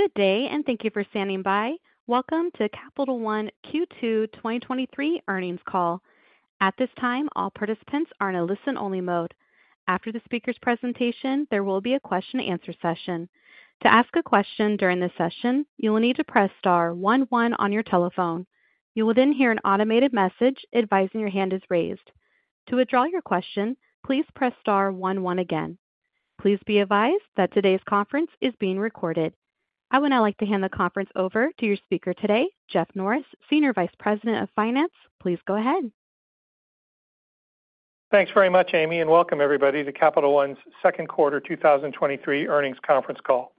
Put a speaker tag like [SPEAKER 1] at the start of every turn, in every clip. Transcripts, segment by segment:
[SPEAKER 1] Good day. Thank you for standing by. Welcome to Capital One Q2 2023 earnings call. At this time, all participants are in a listen-only mode. After the speaker's presentation, there will be a question-and-answer session. To ask a question during this session, you will need to press * 11 on your telephone. You will hear an automated message advising your hand is raised. To withdraw your question, please press * 11 again. Please be advised that today's conference is being recorded. I would now like to hand the conference over to your speaker today, Jeff Norris, Senior Vice President of Finance. Please go ahead.
[SPEAKER 2] Thanks very much, Amy, welcome everybody to Capital One's second quarter 2023 earnings conference call.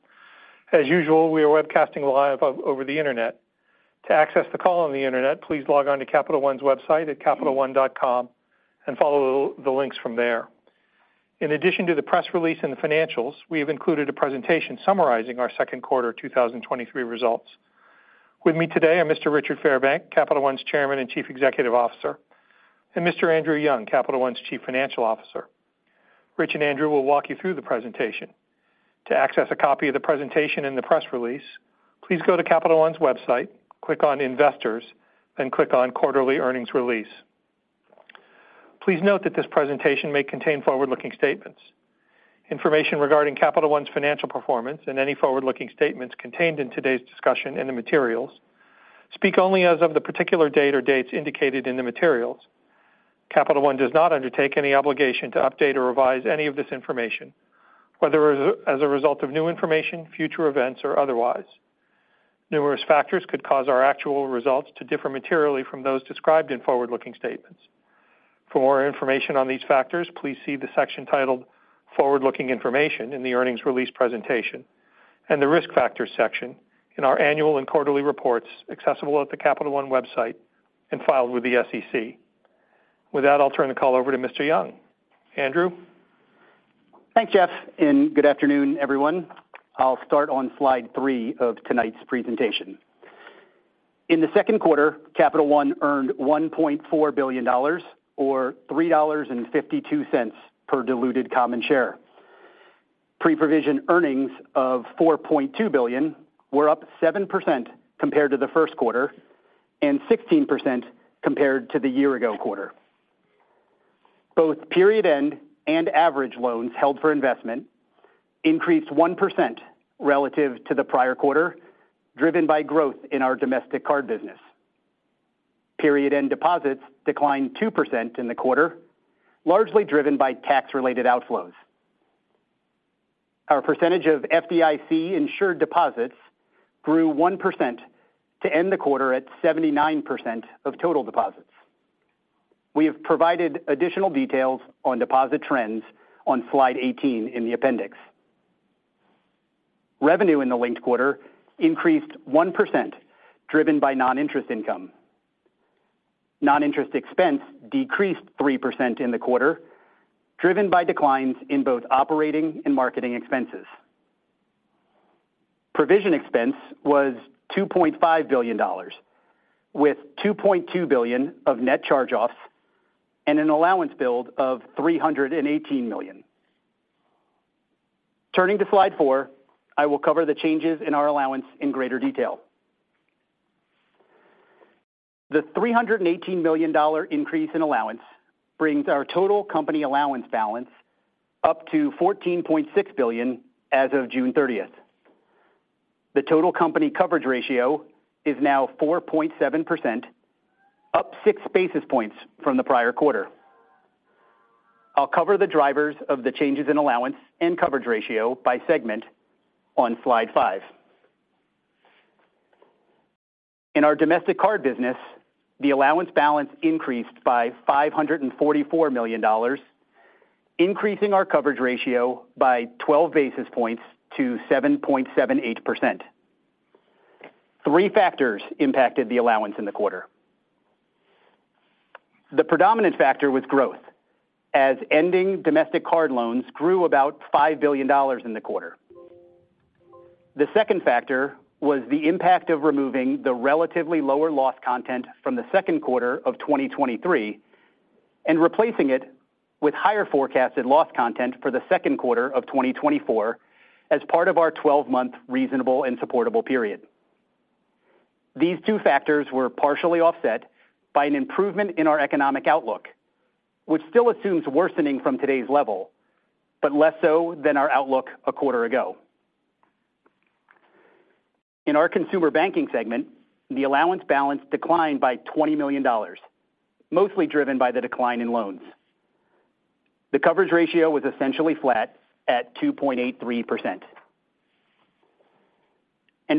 [SPEAKER 2] As usual, we are webcasting live over the Internet. To access the call on the Internet, please log on to capitalone.com and follow the links from there. In addition to the press release and the financials, we have included a presentation summarizing our second quarter 2023 results. With me today are Mr. Richard Fairbank, Capital One's Chairman and Chief Executive Officer, and Mr. Andrew Young, Capital One's Chief Financial Officer. Rich and Andrew will walk you through the presentation. To access a copy of the presentation and the press release, please go to Capital One's website, click on Investors, then click on Quarterly Earnings Release. Please note that this presentation may contain forward-looking statements. Information regarding Capital One's financial performance and any forward-looking statements contained in today's discussion and the materials speak only as of the particular date or dates indicated in the materials. Capital One does not undertake any obligation to update or revise any of this information, whether as a result of new information, future events, or otherwise. Numerous factors could cause our actual results to differ materially from those described in forward-looking statements. For more information on these factors, please see the section titled Forward-Looking Information in the earnings release presentation and the Risk Factors section in our annual and quarterly reports, accessible at the Capital One website and filed with the SEC. I'll turn the call over to Mr. Young. Andrew?
[SPEAKER 3] Thanks, Jeff, and good afternoon, everyone. I'll start on slide 3 of tonight's presentation. In the 2nd quarter, Capital One earned $1.4 billion or $3.52 per diluted common share. pre-provision earnings of $4.2 billion were up 7% compared to the 1st quarter and 16% compared to the year-ago quarter. Both period-end and average loans held for investment increased 1% relative to the prior quarter, driven by growth in our domestic card business. Period-end deposits declined 2% in the quarter, largely driven by tax-related outflows. Our percentage of FDIC-insured deposits grew 1% to end the quarter at 79% of total deposits. We have provided additional details on deposit trends on slide 18 in the appendix. Revenue in the linked quarter increased 1%, driven by non-interest income. Non-interest expense decreased 3% in the quarter, driven by declines in both operating and marketing expenses. Provision expense was $2.5 billion, with $2.2 billion of net charge-offs and an allowance build of $318 million. Turning to slide 4, I will cover the changes in our allowance in greater detail. The $318 million increase in allowance brings our total company allowance balance up to $14.6 billion as of June thirtieth. The total company coverage ratio is now 4.7%, up 6 basis points from the prior quarter. I'll cover the drivers of the changes in allowance and coverage ratio by segment on slide 5. In our domestic card business, the allowance balance increased by $544 million, increasing our coverage ratio by 12 basis points to 7.78%. Three factors impacted the allowance in the quarter. The predominant factor was growth, as ending domestic card loans grew about $5 billion in the quarter. The second factor was the impact of removing the relatively lower loss content from the second quarter of 2023 and replacing it with higher forecasted loss content for the second quarter of 2024 as part of our 12-month reasonable and supportable period. These two factors were partially offset by an improvement in our economic outlook, which still assumes worsening from today's level, but less so than our outlook a quarter ago. In our consumer banking segment, the allowance balance declined by $20 million, mostly driven by the decline in loans. The coverage ratio was essentially flat at 2.83%.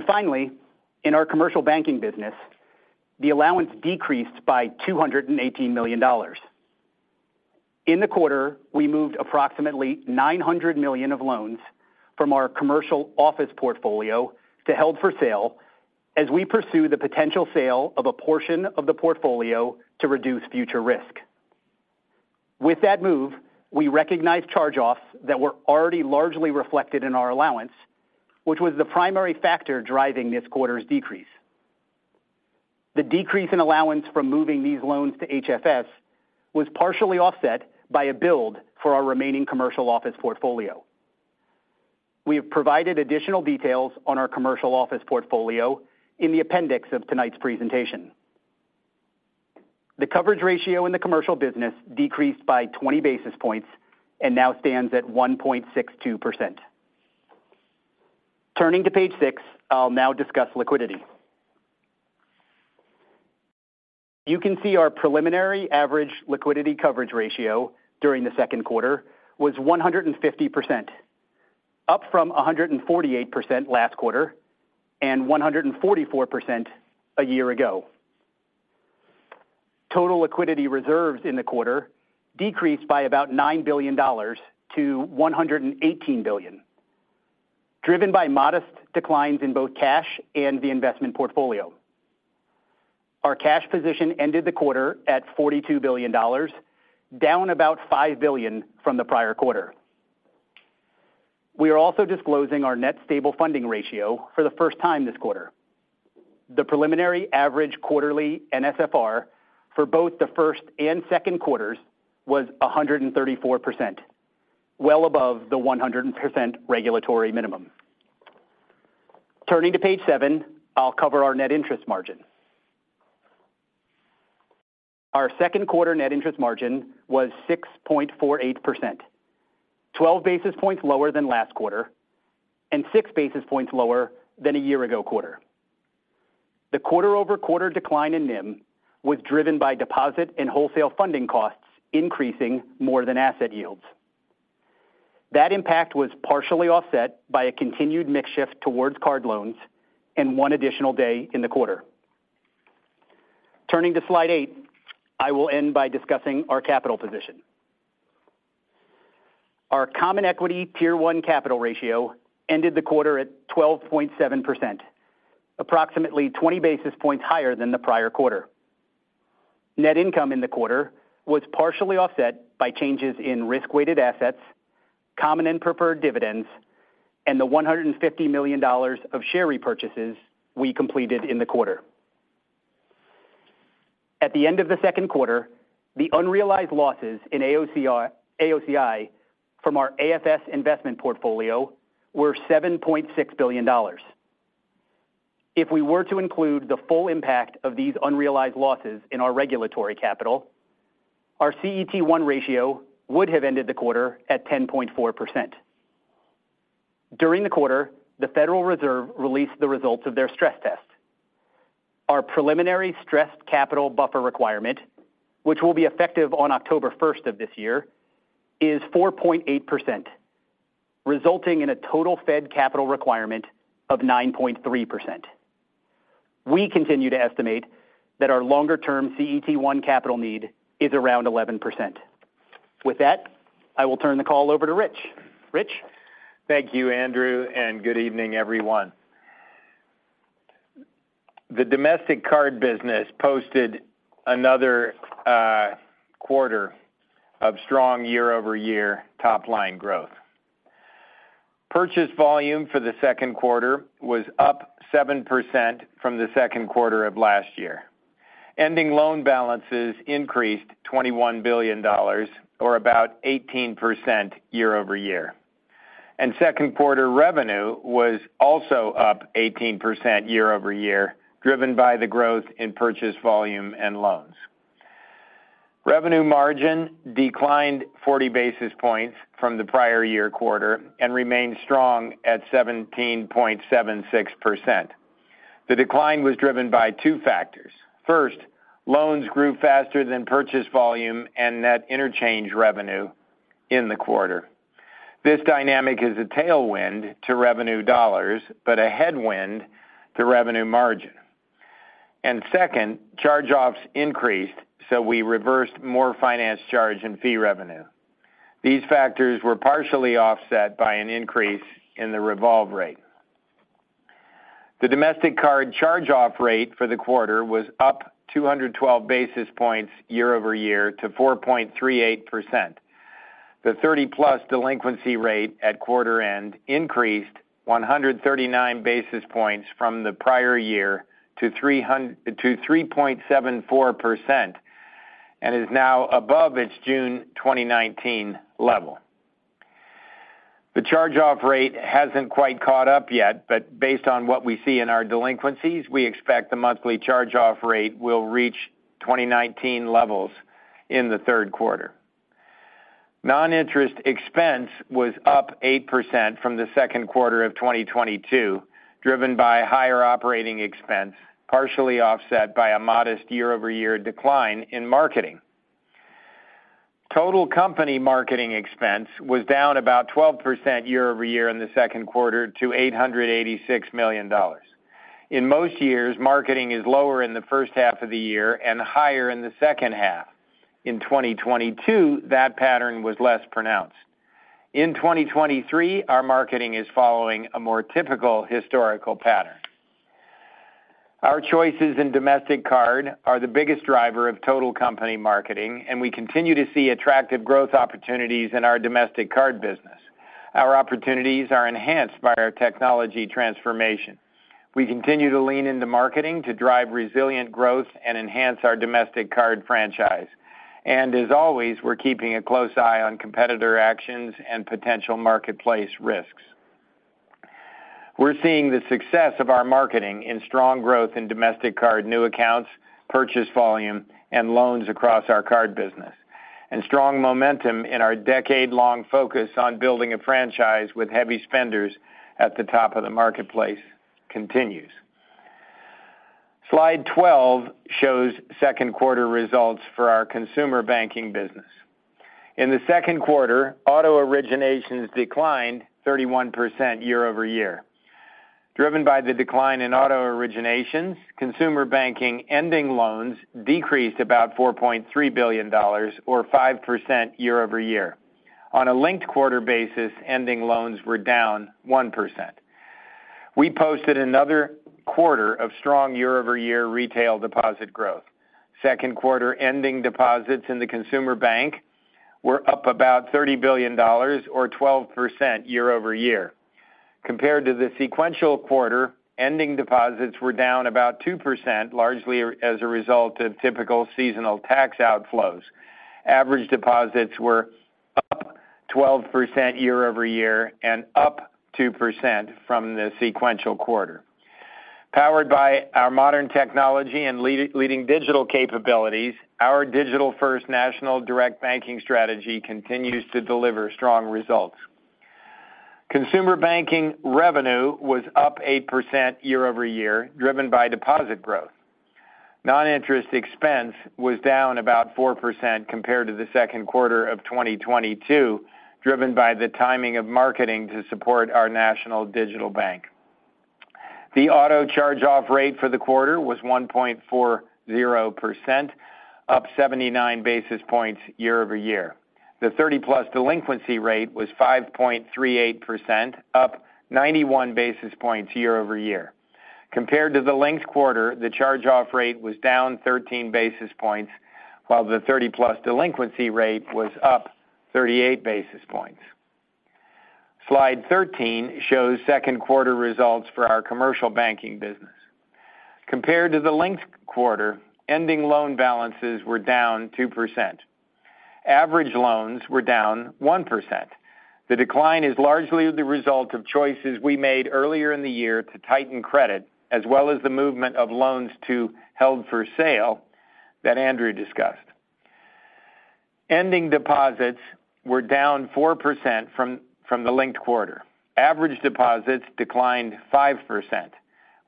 [SPEAKER 3] Finally, in our commercial banking business, the allowance decreased by $218 million. In the quarter, we moved approximately $900 million of loans from our commercial office portfolio to held for sale as we pursue the potential sale of a portion of the portfolio to reduce future risk. With that move, we recognized charge-offs that were already largely reflected in our allowance, which was the primary factor driving this quarter's decrease. The decrease in allowance from moving these loans to HFS was partially offset by a build for our remaining commercial office portfolio. We have provided additional details on our commercial office portfolio in the appendix of tonight's presentation. The coverage ratio in the commercial business decreased by 20 basis points and now stands at 1.62%. Turning to page 6, I'll now discuss liquidity. You can see our preliminary average Liquidity Coverage Ratio during the second quarter was 150%, up from 148% last quarter and 144% a year ago. Total liquidity reserves in the quarter decreased by about $9 billion to $118 billion, driven by modest declines in both cash and the investment portfolio. Our cash position ended the quarter at $42 billion, down about $5 billion from the prior quarter. We are also disclosing our net stable funding ratio for the first time this quarter. The preliminary average quarterly NSFR for both the first and second quarters was 134%, well above the 100% regulatory minimum. Turning to page seven, I'll cover our net interest margin. Our second quarter net interest margin was 6.48%, 12 basis points lower than last quarter and 6 basis points lower than a year-ago quarter. The quarter-over-quarter decline in NIM was driven by deposit and wholesale funding costs, increasing more than asset yields. That impact was partially offset by a continued mix shift towards card loans and one additional day in the quarter. Turning to slide 8, I will end by discussing our capital position. Our Common Equity Tier 1 capital ratio ended the quarter at 12.7%, approximately 20 basis points higher than the prior quarter. Net income in the quarter was partially offset by changes in risk-weighted assets, common and preferred dividends, and the $150 million of share repurchases we completed in the quarter. At the end of the second quarter, the unrealized losses in AOCI from our AFS investment portfolio were $7.6 billion. If we were to include the full impact of these unrealized losses in our regulatory capital, our CET1 ratio would have ended the quarter at 10.4%. During the quarter, the Federal Reserve released the results of their stress test. Our preliminary stress capital buffer requirement, which will be effective on October 1st of this year, is 4.8%, resulting in a total Fed capital requirement of 9.3%. We continue to estimate that our longer-term CET1 capital need is around 11%. With that, I will turn the call over to Rich. Rich?
[SPEAKER 4] Thank you, Andrew, and good evening, everyone. The domestic card business posted another quarter of strong year-over-year top-line growth. Purchase volume for the second quarter was up 7% from the second quarter of last year. Ending loan balances increased $21 billion or about 18% year-over-year. Second quarter revenue was also up 18% year-over-year, driven by the growth in purchase volume and loans. Revenue margin declined 40 basis points from the prior-year quarter and remained strong at 17.76%. The decline was driven by 2 factors. First, loans grew faster than purchase volume and net interchange revenue in the quarter. This dynamic is a tailwind to revenue dollars, but a headwind to revenue margin. Second, charge-offs increased, so we reversed more finance charge and fee revenue. These factors were partially offset by an increase in the revolve rate. The domestic card charge-off rate for the quarter was up 212 basis points year-over-year to 4.38%. The 30-plus delinquency rate at quarter end increased 139 basis points from the prior year to 3.74%, and is now above its June 2019 level. The charge-off rate hasn't quite caught up yet, but based on what we see in our delinquencies, we expect the monthly charge-off rate will reach 2019 levels in the third quarter. Non-interest expense was up 8% from the second quarter of 2022, driven by higher operating expense, partially offset by a modest year-over-year decline in marketing. Total company marketing expense was down about 12% year-over-year in the second quarter to $886 million. In most years, marketing is lower in the first half of the year and higher in the second half. In 2022, that pattern was less pronounced. In 2023, our marketing is following a more typical historical pattern. Our choices in domestic card are the biggest driver of total company marketing, and we continue to see attractive growth opportunities in our domestic card business. Our opportunities are enhanced by our technology transformation. We continue to lean into marketing to drive resilient growth and enhance our domestic card franchise. As always, we're keeping a close eye on competitor actions and potential marketplace risks. We're seeing the success of our marketing in strong growth in domestic card new accounts, purchase volume, and loans across our card business. Strong momentum in our decade-long focus on building a franchise with heavy spenders at the top of the marketplace continues. Slide 12 shows second quarter results for our consumer banking business. In the second quarter, auto originations declined 31% year-over-year. Driven by the decline in auto originations, consumer banking ending loans decreased about $4.3 billion or 5% year-over-year. On a linked quarter basis, ending loans were down 1%. We posted another quarter of strong year-over-year retail deposit growth. Second quarter ending deposits in the consumer bank were up about $30 billion or 12% year-over-year. Compared to the sequential quarter, ending deposits were down about 2%, largely as a result of typical seasonal tax outflows. Average deposits were up 12% year-over-year and up 2% from the sequential quarter. Powered by our modern technology and leading digital capabilities, our digital-first national direct banking strategy continues to deliver strong results. Consumer banking revenue was up 8% year-over-year, driven by deposit growth. Non-interest expense was down about 4% compared to the second quarter of 2022, driven by the timing of marketing to support our national digital bank. The auto charge-off rate for the quarter was 1.40%, up 79 basis points year-over-year. The 30-plus delinquency rate was 5.38%, up 91 basis points year-over-year. Compared to the linked quarter, the charge-off rate was down 13 basis points, while the 30-plus delinquency rate was up 38 basis points. Slide 13 shows second quarter results for our commercial banking business. Compared to the linked quarter, ending loan balances were down 2%. Average loans were down 1%. The decline is largely the result of choices we made earlier in the year to tighten credit, as well as the movement of loans to held for sale that Andrew discussed. Ending deposits were down 4% from the linked quarter. Average deposits declined 5%.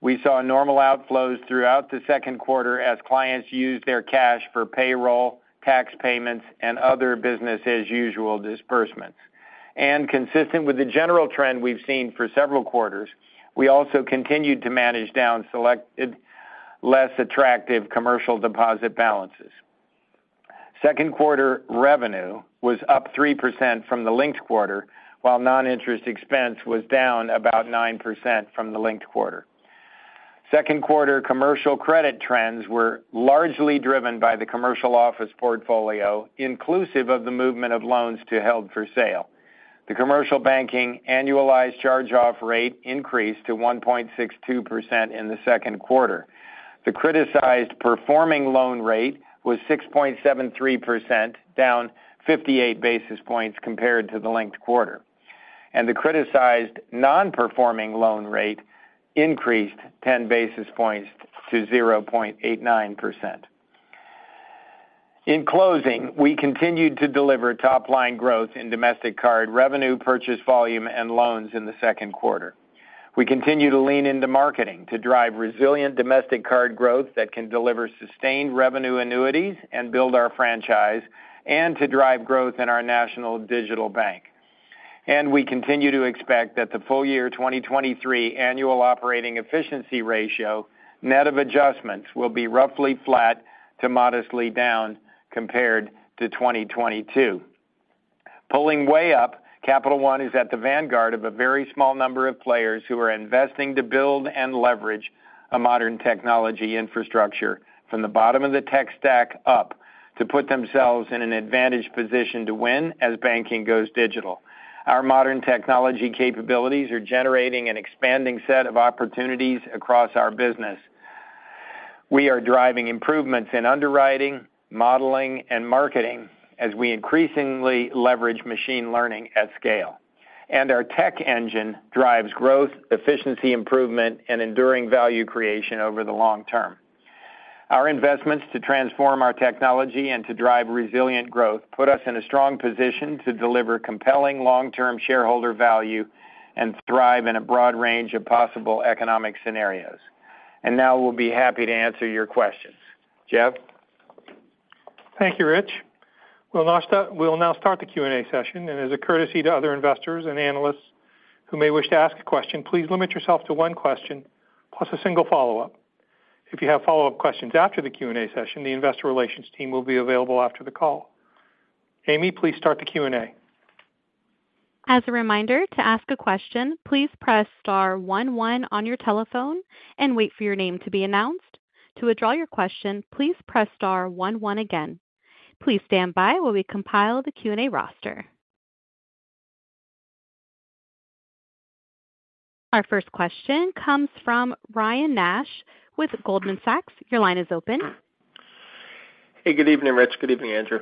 [SPEAKER 4] We saw normal outflows throughout the second quarter as clients used their cash for payroll, tax payments, and other business-as-usual disbursements. Consistent with the general trend we've seen for several quarters, we also continued to manage down selected less attractive commercial deposit balances. Second quarter revenue was up 3% from the linked quarter, while non-interest expense was down about 9% from the linked quarter. Second quarter commercial credit trends were largely driven by the commercial office portfolio, inclusive of the movement of loans to held for sale. The commercial banking annualized charge-off rate increased to 1.62% in the second quarter. The criticized performing loan rate was 6.73%, down 58 basis points compared to the linked quarter. The criticized nonperforming loan rate increased 10 basis points to 0.89%. In closing, we continued to deliver top-line growth in domestic card revenue, purchase volume, and loans in the second quarter. We continue to lean into marketing to drive resilient domestic card growth that can deliver sustained revenue annuities and build our franchise, and to drive growth in our national digital bank. We continue to expect that the full year 2023 annual operating efficiency ratio, net of adjustments, will be roughly flat to modestly down compared to 2022. Pulling way up, Capital One is at the vanguard of a very small number of players who are investing to build and leverage a modern technology infrastructure from the bottom of the tech stack up, to put themselves in an advantaged position to win as banking goes digital. Our modern technology capabilities are generating an expanding set of opportunities across our business. We are driving improvements in underwriting, modeling, and marketing as we increasingly leverage machine learning at scale. Our tech engine drives growth, efficiency improvement, and enduring value creation over the long term. Our investments to transform our technology and to drive resilient growth put us in a strong position to deliver compelling long-term shareholder value and thrive in a broad range of possible economic scenarios. Now we'll be happy to answer your questions. Jeff?
[SPEAKER 2] Thank you, Rich. We'll now start the Q&A session. As a courtesy to other investors and analysts who may wish to ask a question, please limit yourself to one question, plus a single follow-up. If you have follow-up questions after the Q&A session, the investor relations team will be available after the call. Amy, please start the Q&A.
[SPEAKER 1] As a reminder, to ask a question, please press * one one on your telephone and wait for your name to be announced. To withdraw your question, please press * one one again. Please stand by while we compile the Q&A roster. Our first question comes from Ryan Nash with Goldman Sachs. Your line is open.
[SPEAKER 5] Hey, good evening, Rich. Good evening, Andrew.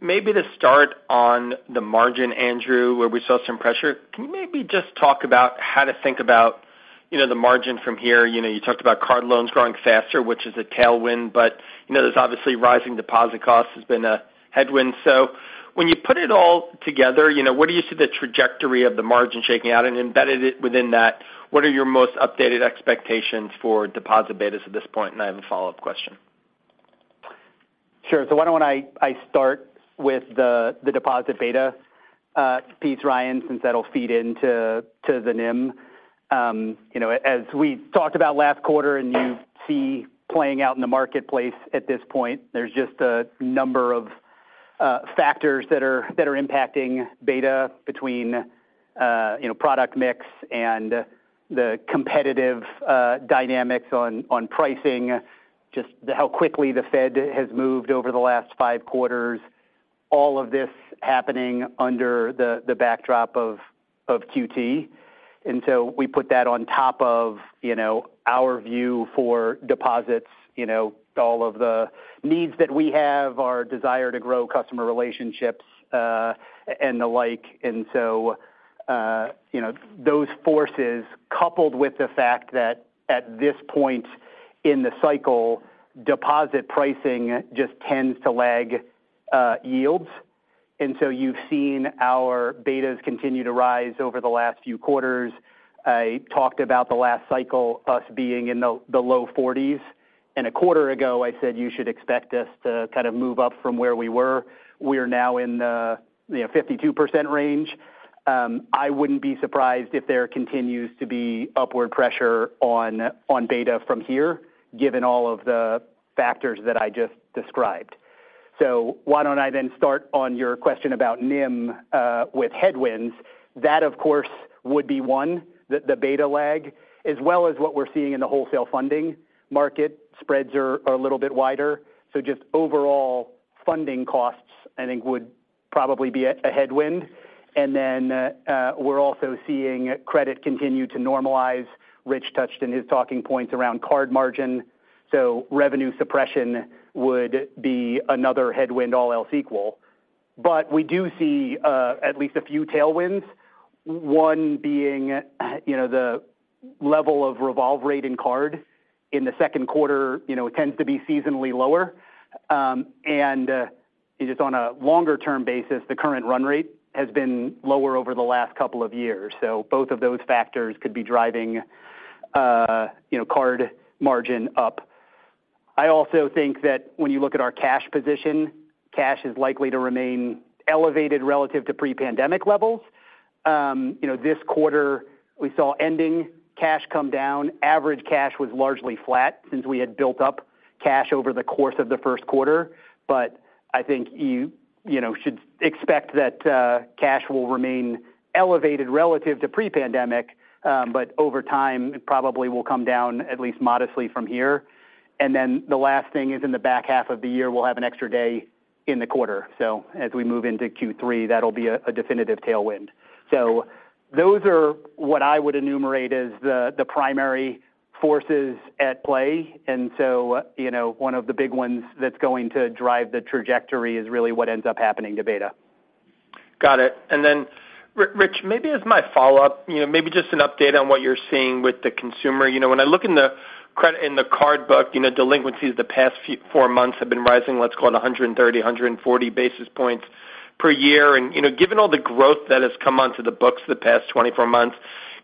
[SPEAKER 5] Maybe to start on the margin, Andrew, where we saw some pressure, can you maybe just talk about, you know, the margin from here? You talked about card loans growing faster, which is a tailwind, but, you know, there's obviously rising deposit costs has been a headwind. When you put it all together, you know, what do you see the trajectory of the margin shaking out? Embedded it within that, what are your most updated expectations for deposit betas at this point? I have a follow-up question.
[SPEAKER 3] Sure. Why don't I start with the deposit beta piece, Ryan, since that'll feed into the NIM. You know, as we talked about last quarter, and you see playing out in the marketplace at this point, there's just a number of factors that are impacting beta between, you know, product mix and the competitive dynamics on pricing, just the how quickly the Fed has moved over the last 5 quarters, all of this happening under the backdrop of QT. We put that on top of, you know, our view for deposits, you know, all of the needs that we have, our desire to grow customer relationships, and the like. You know, those forces, coupled with the fact that at this point in the cycle, deposit pricing just tends to lag, yields. You've seen our betas continue to rise over the last few quarters. I talked about the last cycle, us being in the low 40s, and a quarter ago, I said you should expect us to kind of move up from where we were. We are now in the 52% range. I wouldn't be surprised if there continues to be upward pressure on beta from here, given all of the factors that I just described. Why don't I then start on your question about NIM with headwinds. That, of course, would be one, the beta lag, as well as what we're seeing in the wholesale funding market. Spreads are a little bit wider. Just overall funding costs, I think, would probably be a headwind. we're also seeing credit continue to normalize. Rich touched in his talking points around card margin. Revenue suppression would be another headwind, all else equal. we do see at least a few tailwinds, one being, you know, the level of revolve rate in card in the second quarter, you know, it tends to be seasonally lower. just on a longer-term basis, the current run rate has been lower over the last couple of years. both of those factors could be driving, you know, card margin up. I also think that when you look at our cash position, cash is likely to remain elevated relative to pre-pandemic levels. you know, this quarter, we saw ending cash come down. Average cash was largely flat since we had built up cash over the course of the first quarter. I think you know, should expect that cash will remain elevated relative to pre-pandemic. Over time, it probably will come down at least modestly from here. The last thing is, in the back half of the year, we'll have an extra day in the quarter. As we move into Q3, that'll be a definitive tailwind. Those are what I would enumerate as the primary forces at play. You know, one of the big ones that's going to drive the trajectory is really what ends up happening to beta.
[SPEAKER 5] Got it. Rich, maybe as my follow-up, you know, maybe just an update on what you're seeing with the consumer. You know, when I look in the card book, you know, delinquencies the past four months have been rising, let's call it 130, 140 basis points per year. Given all the growth that has come onto the books the past 24 months,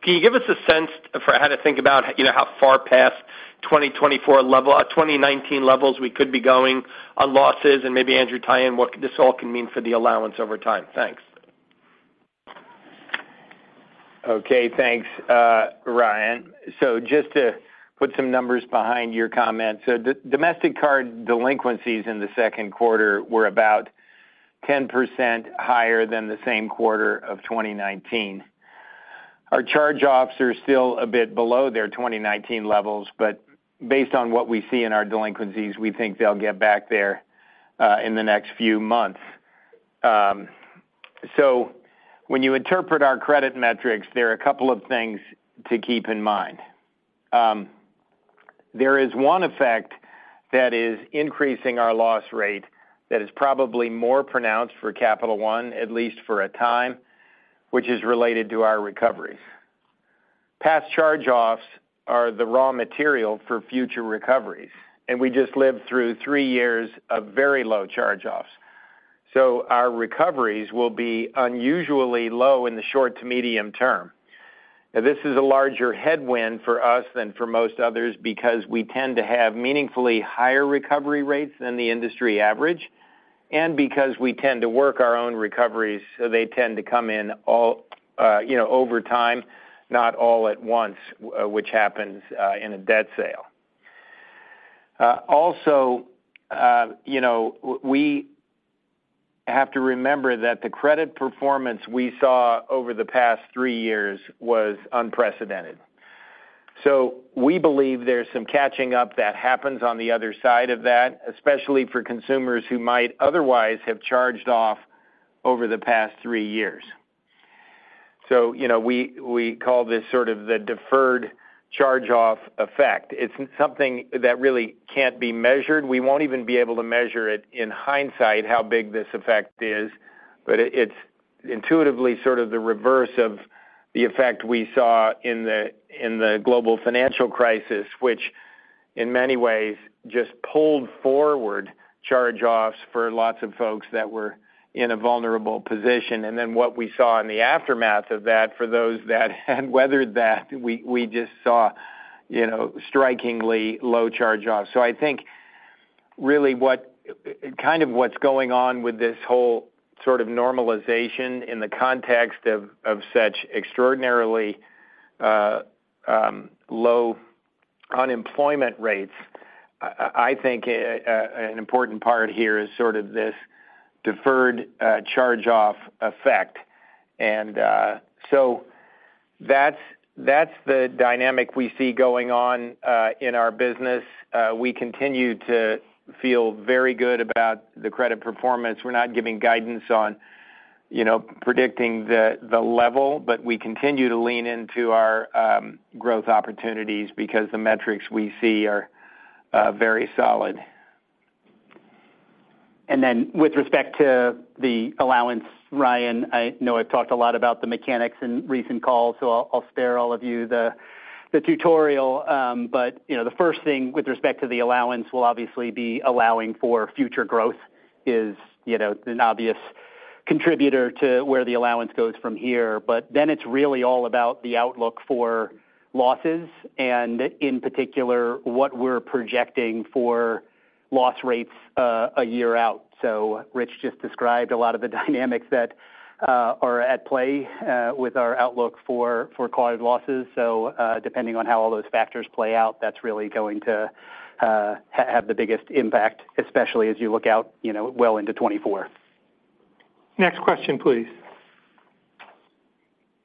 [SPEAKER 5] can you give us a sense for how to think about, you know, how far past 2024 level, 2019 levels we could be going on losses? Maybe, Andrew, tie in what this all can mean for the allowance over time. Thanks.
[SPEAKER 4] Okay, thanks, Ryan. Just to put some numbers behind your comments. The domestic card delinquencies in the second quarter were about 10% higher than the same quarter of 2019. Our charge-offs are still a bit below their 2019 levels, but based on what we see in our delinquencies, we think they'll get back there in the next few months. When you interpret our credit metrics, there are a couple of things to keep in mind. There is one effect that is increasing our loss rate that is probably more pronounced for Capital One, at least for a time, which is related to our recoveries. Past charge-offs are the raw material for future recoveries, and we just lived through 3 years of very low charge-offs. Our recoveries will be unusually low in the short to medium term. This is a larger headwind for us than for most others because we tend to have meaningfully higher recovery rates than the industry average and because we tend to work our own recoveries, so they tend to come in all, you know, over time, not all at once, which happens in a debt sale. Also, you know, we have to remember that the credit performance we saw over the past three years was unprecedented. We believe there's some catching up that happens on the other side of that, especially for consumers who might otherwise have charged off over the past three years. You know, we call this sort of the deferred charge-off effect. It's something that really can't be measured. We won't even be able to measure it in hindsight, how big this effect is, but it's intuitively sort of the reverse of the effect we saw in the Global Financial Crisis, which in many ways just pulled forward charge-offs for lots of folks that were in a vulnerable position. Then what we saw in the aftermath of that, for those that had weathered that, we just saw, you know, strikingly low charge-offs. I think really what, kind of what's going on with this whole sort of normalization in the context of such extraordinarily low unemployment rates, I think an important part here is sort of this deferred charge-off effect. So that's the dynamic we see going on in our business. We continue to feel very good about the credit performance. We're not giving guidance on, you know, predicting the level, but we continue to lean into our growth opportunities because the metrics we see are very solid.
[SPEAKER 3] With respect to the allowance, Ryan, I know I've talked a lot about the mechanics in recent calls, so I'll spare all of you the tutorial. You know, the first thing with respect to the allowance will obviously be allowing for future growth is, you know, an obvious contributor to where the allowance goes from here. It's really all about the outlook for losses, and in particular, what we're projecting for loss rates a year out. Rich just described a lot of the dynamics that are at play with our outlook for credit losses. Depending on how all those factors play out, that's really going to have the biggest impact, especially as you look out, you know, well into 2024.
[SPEAKER 6] Next question, please.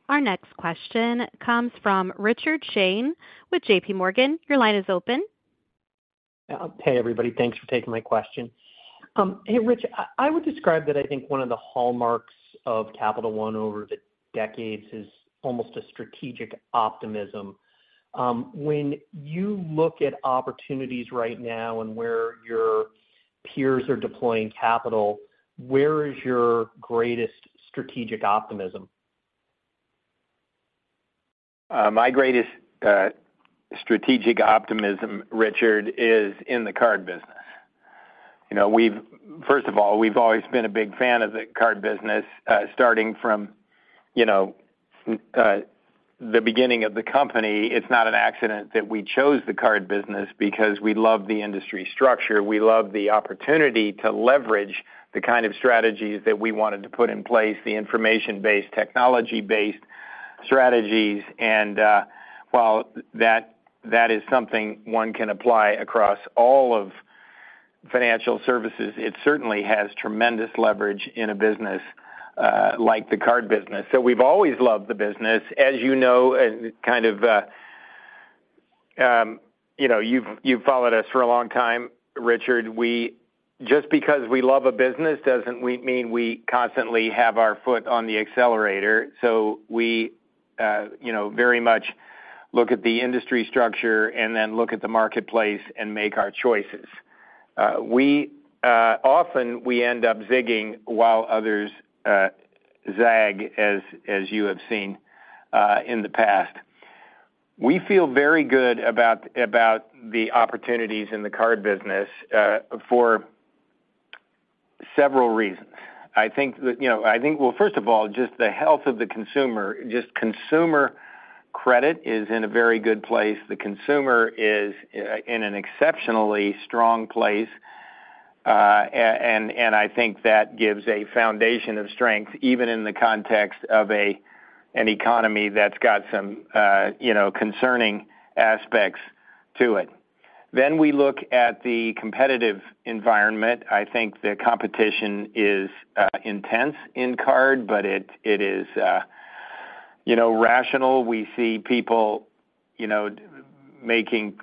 [SPEAKER 1] Our next question comes from Richard Shane with J.P. Morgan. Your line is open.
[SPEAKER 4] Hey, everybody, thanks for taking my question. Hey, Rich, I would describe that I think one of the hallmarks of Capital One over the decades is almost a strategic optimism. When you look at opportunities right now and where your peers are deploying capital, where is your greatest strategic optimism? My greatest strategic optimism, Richard, is in the card business. You know, first of all, we've always been a big fan of the card business, starting from, you know, the beginning of the company. It's not an accident that we chose the card business because we love the industry structure. We love the opportunity to leverage the kind of strategies that we wanted to put in place, the information-based, technology-based strategies. While that is something one can apply across all of financial services, it certainly has tremendous leverage in a business like the card business. We've always loved the business, as you know, and kind of, you know, you've followed us for a long time, Richard. Just because we love a business doesn't mean we constantly have our foot on the accelerator. We, you know, very much look at the industry structure and then look at the marketplace and make our choices. We often we end up zigging while others zag, as you have seen in the past. We feel very good about the opportunities in the card business for several reasons. I think that, you know, Well, first of all, just the health of the consumer, just consumer credit is in a very good place. The consumer is in an exceptionally strong place. I think that gives a foundation of strength, even in the context of an economy that's got some, you know, concerning aspects to it. We look at the competitive environment. I think the competition is intense in card, but it is, you know, rational. We see people, you know, making,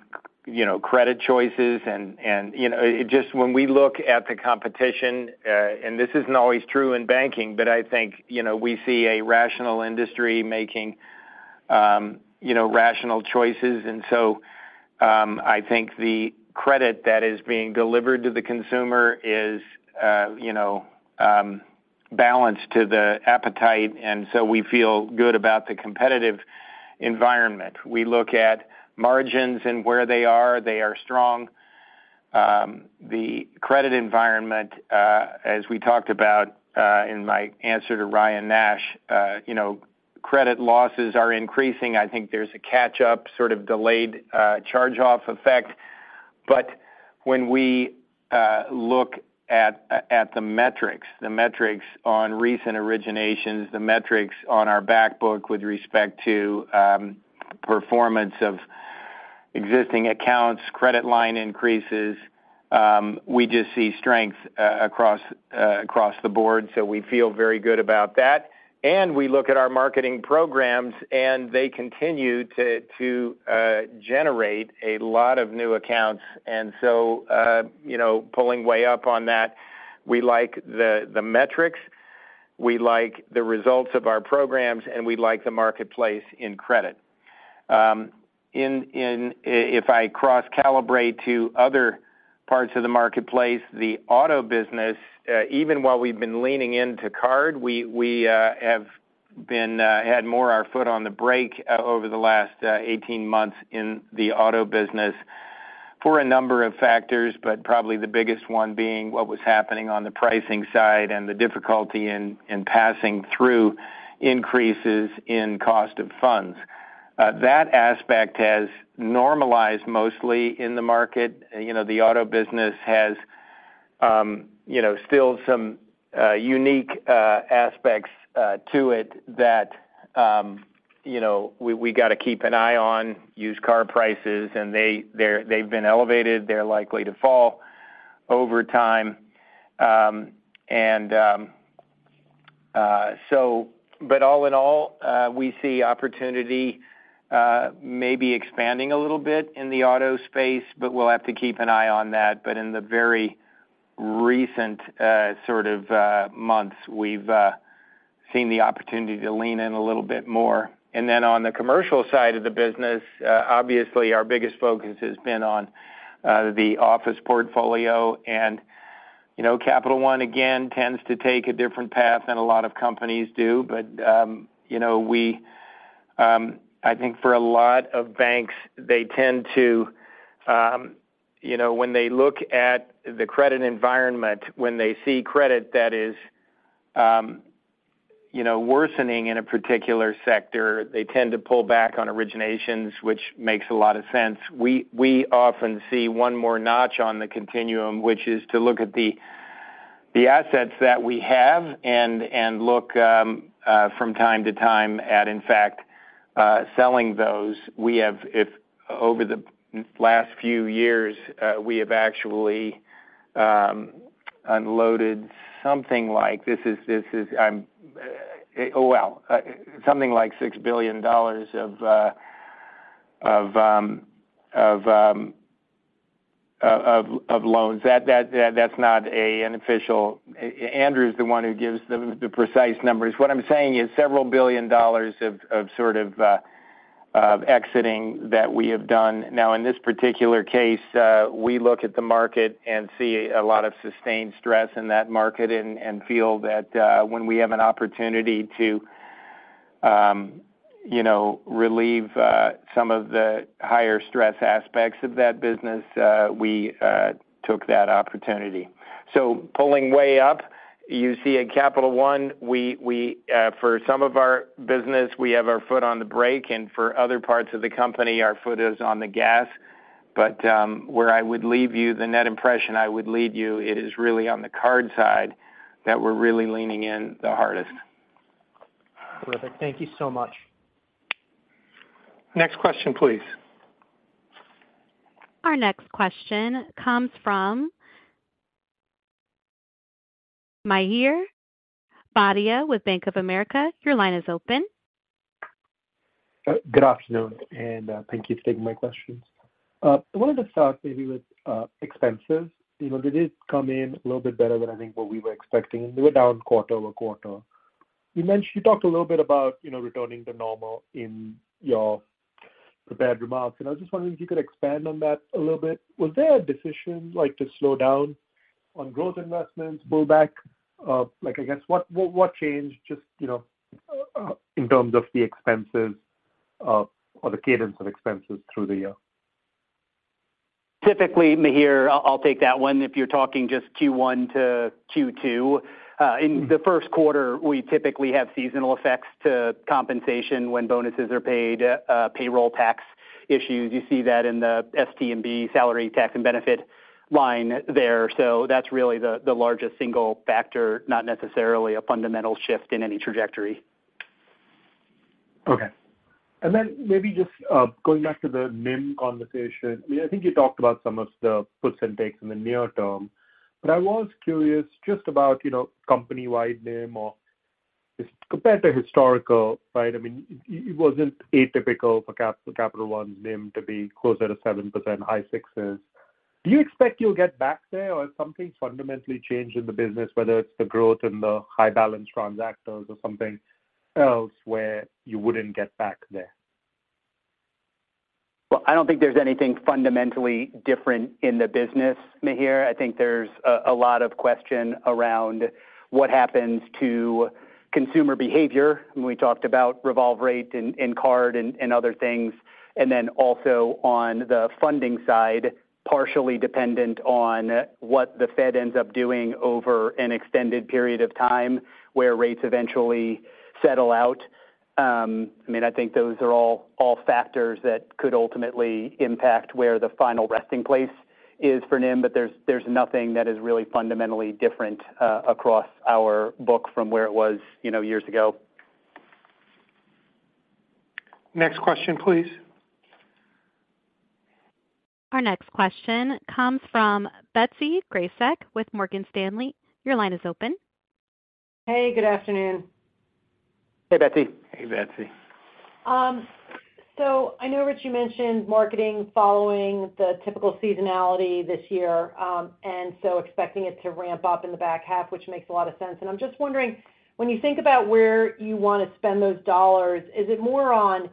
[SPEAKER 4] you know, credit choices, and, you know, it just when we look at the competition, and this isn't always true in banking, but I think, you know, we see a rational industry making, you know, rational choices. I think the credit that is being delivered to the consumer is, you know, balanced to the appetite, and so we feel good about the competitive environment. We look at margins and where they are, they are strong. The credit environment, as we talked about, in my answer to Ryan Nash, you know, credit losses are increasing. I think there's a catch-up, sort of delayed, charge-off effect. When we look at the metrics, the metrics on recent originations, the metrics on our back book with respect to performance of,... existing accounts, credit line increases, we just see strength across the board, so we feel very good about that. We look at our marketing programs, and they continue to generate a lot of new accounts. You know, pulling way up on that, we like the metrics, we like the results of our programs, and we like the marketplace in credit. If I cross-calibrate to other parts of the marketplace, the auto business, even while we've been leaning into card, we have been had more our foot on the brake over the last 18 months in the auto business for a number of factors, probably the biggest one being what was happening on the pricing side and the difficulty in passing through increases in cost of funds. That aspect has normalized mostly in the market. You know, the auto business has, you know, still some unique aspects to it that, you know, we gotta keep an eye on. Used car prices, and they've been elevated, they're likely to fall over time. All in all, we see opportunity, maybe expanding a little bit in the auto space, but we'll have to keep an eye on that. In the very recent, sort of months, we've seen the opportunity to lean in a little bit more. On the commercial side of the business, obviously, our biggest focus has been on the office portfolio. You know, Capital One, again, tends to take a different path than a lot of companies do. you know, we, I think for a lot of banks, they tend to, you know, when they look at the credit environment, when they see credit that is, you know, worsening in a particular sector, they tend to pull back on originations, which makes a lot of sense. We often see one more notch on the continuum, which is to look at the assets that we have and look, from time to time at, in fact, selling those. We have, over the last few years, we have actually, unloaded something like, this is, oh, well, something like $6 billion of loans. That's not an official. Andrew's the one who gives the precise numbers. What I'm saying is several billion dollars of sort of exiting that we have done. In this particular case, we look at the market and see a lot of sustained stress in that market and feel that, when we have an opportunity to, you know, relieve some of the higher stress aspects of that business, we took that opportunity. Pulling way up, you see at Capital One, we for some of our business, we have our foot on the brake, and for other parts of the company, our foot is on the gas. Where I would leave you, the net impression I would leave you, it is really on the card side that we're really leaning in the hardest. Terrific. Thank you so much. Next question, please.
[SPEAKER 1] Our next question comes from Mihir Bhatia with Bank of America. Your line is open.
[SPEAKER 6] Good afternoon. Thank you for taking my questions. I wanted to start maybe with expenses. You know, they did come in a little bit better than I think what we were expecting. They were down quarter-over-quarter. You talked a little bit about, you know, returning to normal in your prepared remarks. I was just wondering if you could expand on that a little bit. Was there a decision, like, to slow down on growth investments, pull back? Like, I guess, what changed, just, you know, in terms of the expenses, or the cadence of expenses through the year?
[SPEAKER 3] Typically, Mihir, I'll take that one. If you're talking just Q1 to Q2, in the first quarter, we typically have seasonal effects to compensation when bonuses are paid, payroll tax issues. You see that in the S&B, salary, tax and benefit line there. That's really the largest single factor, not necessarily a fundamental shift in any trajectory.
[SPEAKER 6] Okay. Then maybe just going back to the NIM conversation. I think you talked about some of the puts and takes in the near term. I was curious just about, you know, company-wide NIM or just compared to historical, right? I mean, it wasn't atypical for Capital One's NIM to be closer to 7%, high 6s. Do you expect you'll get back there, or has something fundamentally changed in the business, whether it's the growth in the high balance transactors or something else where you wouldn't get back there?
[SPEAKER 3] Well, I don't think there's anything fundamentally different in the business, Mihir. I think there's a lot of question around what happens to consumer behavior, and we talked about revolve rate and, in card and other things. Then also on the funding side, partially dependent on what the Fed ends up doing over an extended period of time, where rates eventually settle out. I mean, I think those are all factors that could ultimately impact where the final resting place is for NIM, but there's nothing that is really fundamentally different across our book from where it was, you know, years ago.
[SPEAKER 6] Next question, please.
[SPEAKER 1] Our next question comes from Betsy Graseck with Morgan Stanley. Your line is open.
[SPEAKER 7] Hey, good afternoon.
[SPEAKER 6] Hey, Betsy.
[SPEAKER 4] Hey, Betsy.
[SPEAKER 7] I know, Rich, you mentioned marketing following the typical seasonality this year, and so expecting it to ramp up in the back half, which makes a lot of sense. I'm just wondering, when you think about where you want to spend those dollars, is it more on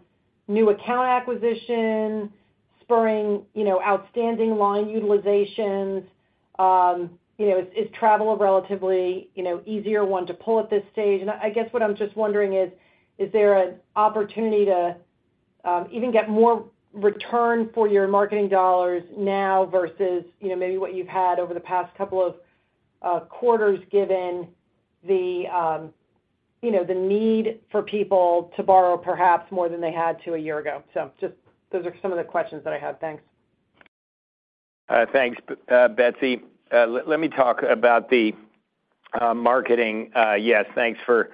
[SPEAKER 7] new account acquisition, spurring, you know, outstanding line utilizations? You know, is travel a relatively, you know, easier one to pull at this stage? I guess what I'm just wondering is there an opportunity to even get more return for your marketing dollars now versus, you know, maybe what you've had over the past couple of quarters, given the, you know, the need for people to borrow perhaps more than they had to a year ago? Just those are some of the questions that I had. Thanks.
[SPEAKER 4] Thanks, Betsy. Let me talk about the marketing. Yes, thanks for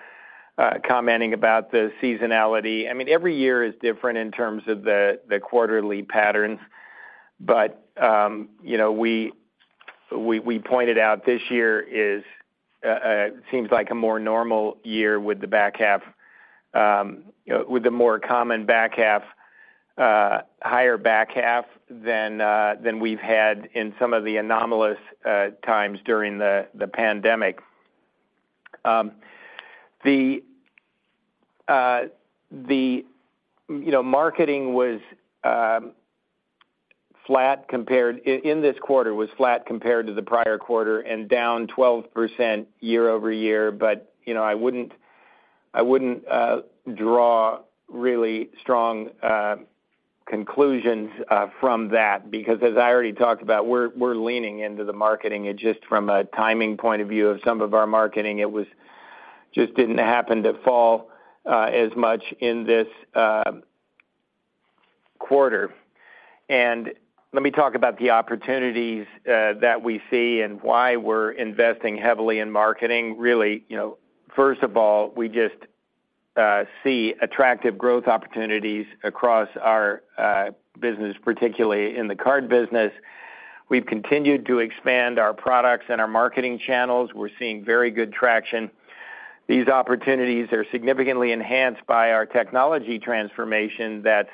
[SPEAKER 4] commenting about the seasonality. I mean, every year is different in terms of the quarterly patterns, but, you know, we pointed out this year is, seems like a more normal year with the back half, you know, with the more common back half, higher back half than we've had in some of the anomalous times during the pandemic. The, you know, marketing was In this quarter, was flat compared to the prior quarter and down 12% year-over-year. You know, I wouldn't draw really strong conclusions from that, because as I already talked about, we're leaning into the marketing. It's just from a timing point of view of some of our marketing, it just didn't happen to fall as much in this quarter. Let me talk about the opportunities that we see and why we're investing heavily in marketing. Really, you know, first of all, we just see attractive growth opportunities across our business, particularly in the card business. We've continued to expand our products and our marketing channels. We're seeing very good traction. These opportunities are significantly enhanced by our technology transformation that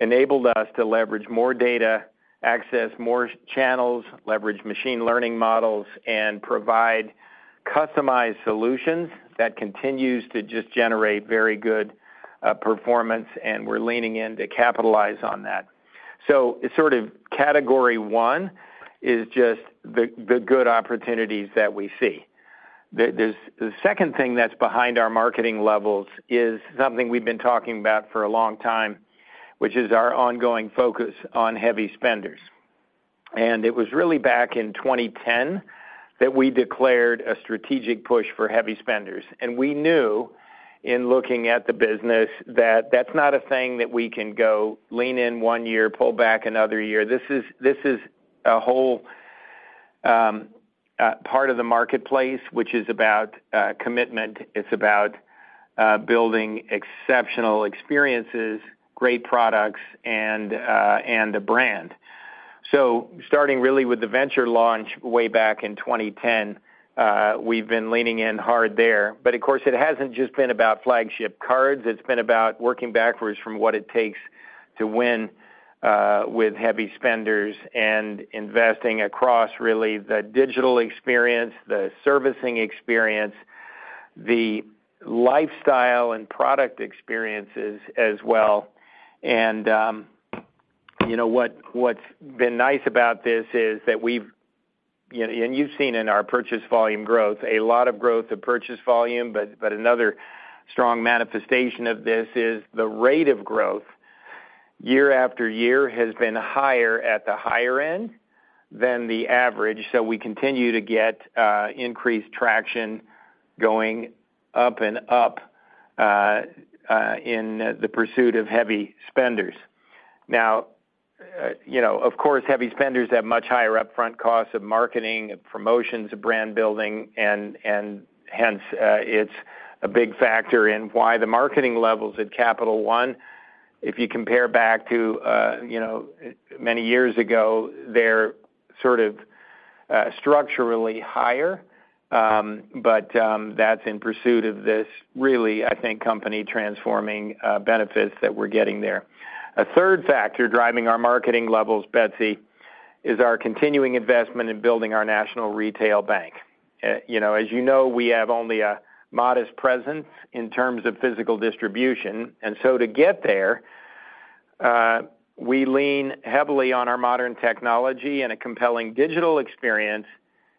[SPEAKER 4] enabled us to leverage more data, access more channels, leverage machine learning models, and provide customized solutions that continues to just generate very good performance, and we're leaning in to capitalize on that. Sort of category one is just the good opportunities that we see. The second thing that's behind our marketing levels is something we've been talking about for a long time, which is our ongoing focus on heavy spenders. It was really back in 2010 that we declared a strategic push for heavy spenders. We knew, in looking at the business, that that's not a thing that we can go lean in one year, pull back another year. This is, this is a whole part of the marketplace, which is about commitment. It's about building exceptional experiences, great products, and the brand. Starting really with the Venture launch way back in 2010, we've been leaning in hard there. Of course, it hasn't just been about flagship cards, it's been about working backwards from what it takes to win with heavy spenders and investing across really the digital experience, the servicing experience, the lifestyle and product experiences as well. You know, what's been nice about this is that we've, you know, and you've seen in our purchase volume growth, a lot of growth of purchase volume, but another strong manifestation of this is the rate of growth year after year has been higher at the higher end than the average. We continue to get increased traction going up and up in the pursuit of heavy spenders. You know, of course, heavy spenders have much higher upfront costs of marketing, of promotions, of brand building, and hence, it's a big factor in why the marketing levels at Capital One, if you compare back to, you know, many years ago, they're sort of, structurally higher. That's in pursuit of this really, I think, company transforming, benefits that we're getting there. A third factor driving our marketing levels, Betsy, is our continuing investment in building our national retail bank. You know, as you know, we have only a modest presence in terms of physical distribution, and so to get there, we lean heavily on our modern technology and a compelling digital experience,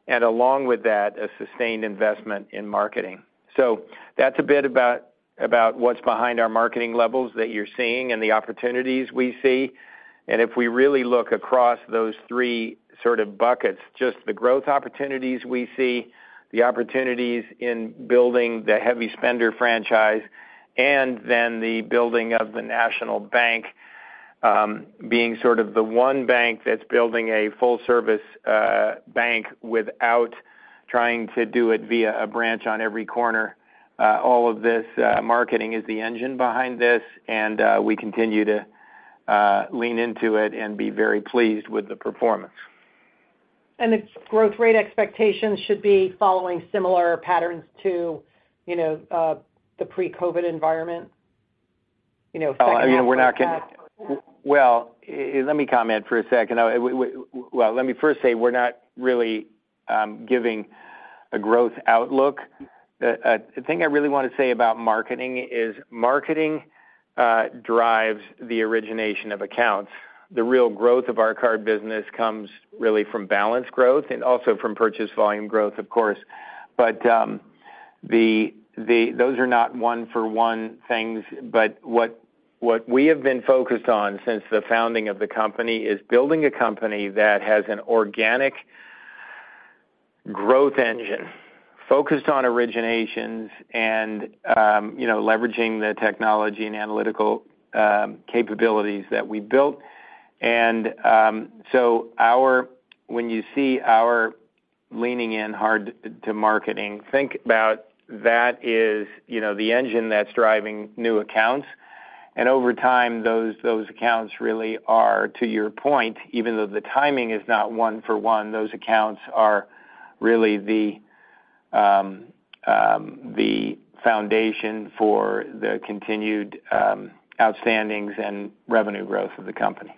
[SPEAKER 4] and along with that, a sustained investment in marketing. That's a bit about what's behind our marketing levels that you're seeing and the opportunities we see. If we really look across those three sort of buckets, just the growth opportunities we see, the opportunities in building the heavy spender franchise, and then the building of the national bank, being sort of the one bank that's building a full service bank without trying to do it via a branch on every corner. All of this, marketing is the engine behind this, and, we continue to lean into it and be very pleased with the performance.
[SPEAKER 7] The growth rate expectations should be following similar patterns to, you know, the pre-COVID environment? You know-
[SPEAKER 4] I mean, Well, let me comment for a second. Well, let me first say, we're not really giving a growth outlook. The thing I really want to say about marketing is, marketing drives the origination of accounts. The real growth of our card business comes really from balance growth and also from purchase volume growth, of course. Those are not one for one things, what we have been focused on since the founding of the company, is building a company that has an organic growth engine, focused on originations and, you know, leveraging the technology and analytical capabilities that we built. So when you see our leaning in hard to marketing, think about that is, you know, the engine that's driving new accounts. Over time, those accounts really are, to your point, even though the timing is not one for one, those accounts are really the foundation for the continued outstandings and revenue growth of the company.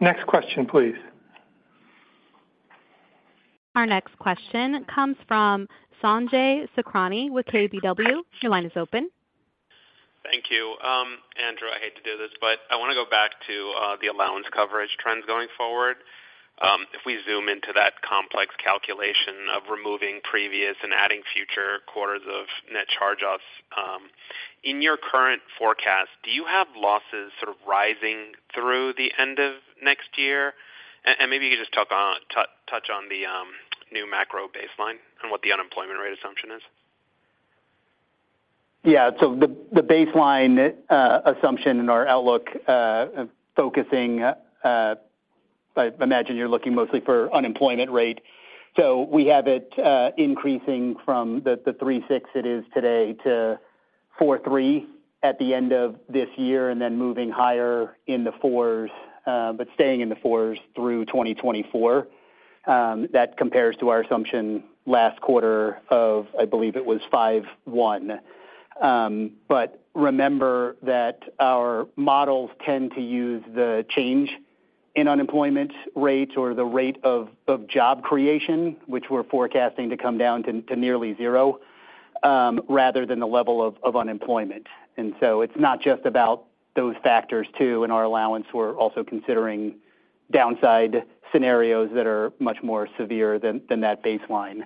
[SPEAKER 8] Next question, please.
[SPEAKER 1] Our next question comes from Sanjay Sakhrani with KBW. Your line is open.
[SPEAKER 8] Thank you. Andrew, I hate to do this, but I want to go back to the allowance coverage trends going forward. If we zoom into that complex calculation of removing previous and adding future quarters of net charge-offs, in your current forecast, do you have losses sort of rising through the end of next year? Maybe you could just touch on the new macro baseline and what the unemployment rate assumption is.
[SPEAKER 3] The baseline assumption in our outlook. I imagine you're looking mostly for unemployment rate. We have it increasing from the 3.6% it is today, to 4.3% at the end of this year, and then moving higher in the 4s, but staying in the 4s through 2024. That compares to our assumption last quarter of, I believe it was 5.1%. Remember that our models tend to use the change in unemployment rates or the rate of job creation, which we're forecasting to come down to nearly 0, rather than the level of unemployment. It's not just about those factors, too, in our allowance, we're also considering downside scenarios that are much more severe than that baseline.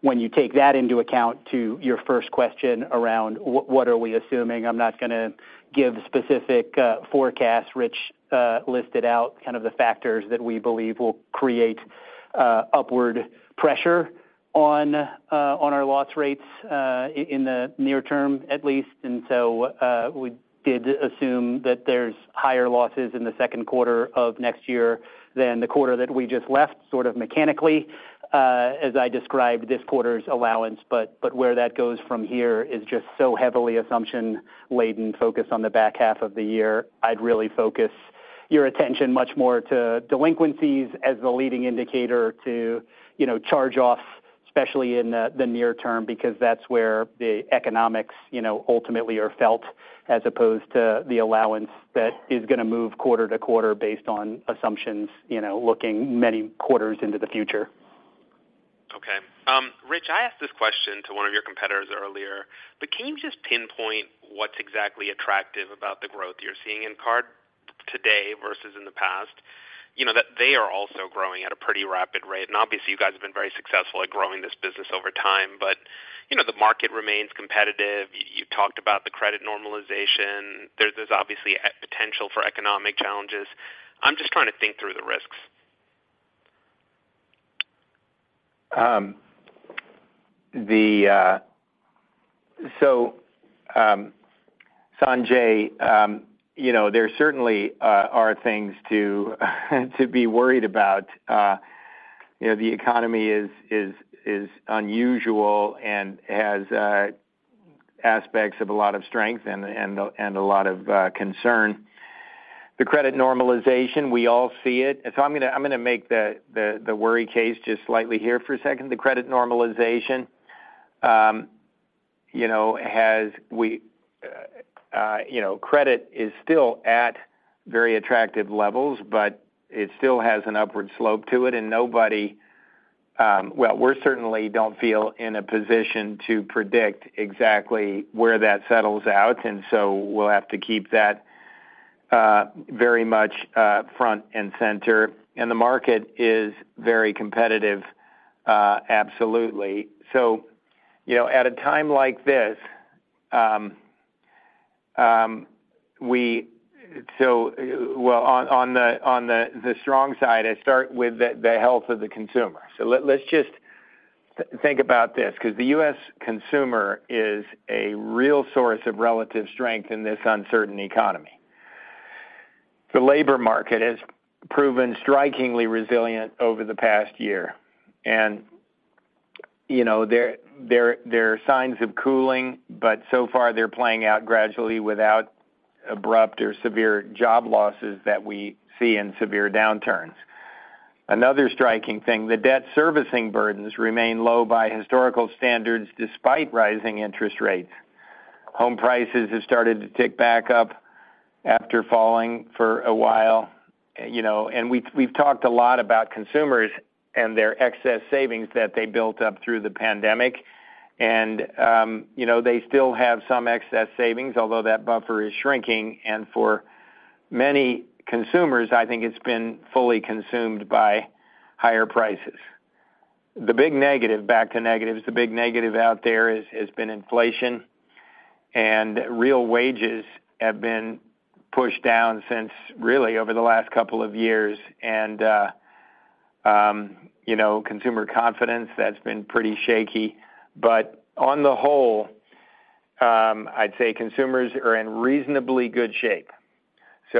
[SPEAKER 3] When you take that into account to your first question around what are we assuming? I'm not going to give specific forecasts. Rich listed out kind of the factors that we believe will create upward pressure on our loss rates in the near term, at least. We did assume that there's higher losses in the second quarter of next year than the quarter that we just left, sort of mechanically, as I described this quarter's allowance. Where that goes from here is just so heavily assumption-laden, focused on the back half of the year. I'd really focus your attention much more to delinquencies as the leading indicator to, you know, charge-offs, especially in the near term, because that's where the economics, you know, ultimately are felt, as opposed to the allowance that is going to move quarter to quarter based on assumptions, you know, looking many quarters into the future.
[SPEAKER 8] Okay. Rich, I asked this question to one of your competitors earlier. Can you just pinpoint what's exactly attractive about the growth you're seeing in Card today versus in the past? You know, that they are also growing at a pretty rapid rate, and obviously, you guys have been very successful at growing this business over time. You know, the market remains competitive. You talked about the credit normalization. There's obviously potential for economic challenges. I'm just trying to think through the risks.
[SPEAKER 4] Sanjay, you know, there certainly are things to be worried about. You know, the economy is unusual and has aspects of a lot of strength and a lot of concern. The credit normalization, we all see it. I'm going to make the worry case just slightly here for a second. The credit normalization, you know, credit is still at very attractive levels, but it still has an upward slope to it, and nobody... Well, we certainly don't feel in a position to predict exactly where that settles out, and so we'll have to keep that very much front and center. The market is very competitive, absolutely. you know, at a time like this, well, on the strong side, I start with the health of the consumer. let's just think about this, because the U.S. consumer is a real source of relative strength in this uncertain economy. The labor market has proven strikingly resilient over the past year, you know, there are signs of cooling, but so far, they're playing out gradually without abrupt or severe job losses that we see in severe downturns. Another striking thing, the debt servicing burdens remain low by historical standards, despite rising interest rates. Home prices have started to tick back up after falling for a while, you know, we've talked a lot about consumers and their excess savings that they built up through the pandemic. You know, they still have some excess savings, although that buffer is shrinking, and for many consumers, I think it's been fully consumed by higher prices. The big negative, back to negatives, the big negative out there has been inflation, and real wages have been pushed down since, really, over the last couple of years. You know, consumer confidence, that's been pretty shaky. On the whole, I'd say consumers are in reasonably good shape. We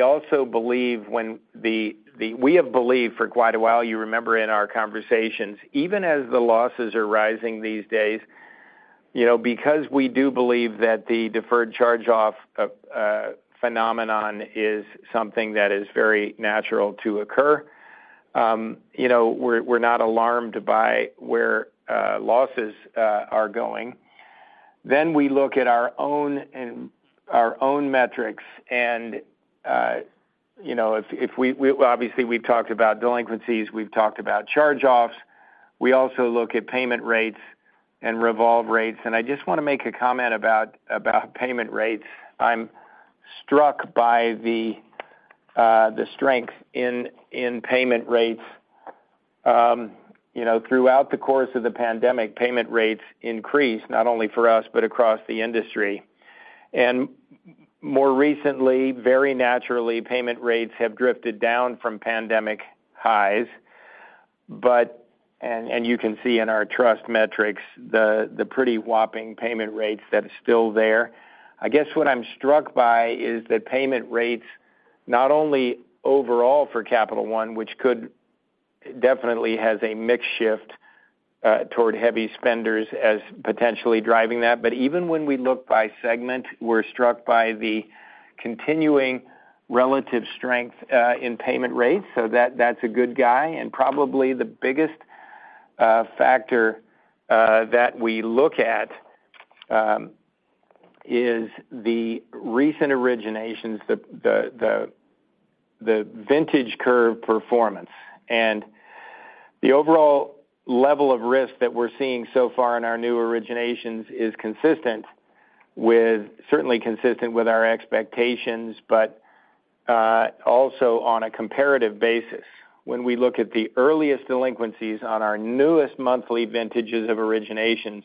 [SPEAKER 4] also believe when we have believed for quite a while, you remember in our conversations, even as the losses are rising these days, you know, because we do believe that the deferred charge-off phenomenon is something that is very natural to occur, you know, we're not alarmed by where losses are going. We look at our own metrics, and, you know, obviously, we've talked about delinquencies, we've talked about charge-offs. We also look at payment rates and revolve rates, I just want to make a comment about payment rates. I'm struck by the strength in payment rates. You know, throughout the course of the pandemic, payment rates increased not only for us, but across the industry. More recently, very naturally, payment rates have drifted down from pandemic highs, and you can see in our trust metrics, the pretty whopping payment rates that are still there. I guess what I'm struck by is that payment rates, not only overall for Capital One, which definitely has a mix shift toward heavy spenders as potentially driving that, but even when we look by segment, we're struck by the continuing relative strength in payment rates. That, that's a good guy, and probably the biggest factor that we look at, is the recent originations, the vintage curve performance. The overall level of risk that we're seeing so far in our new originations is consistent with certainly consistent with our expectations, but also on a comparative basis. When we look at the earliest delinquencies on our newest monthly vintages of originations,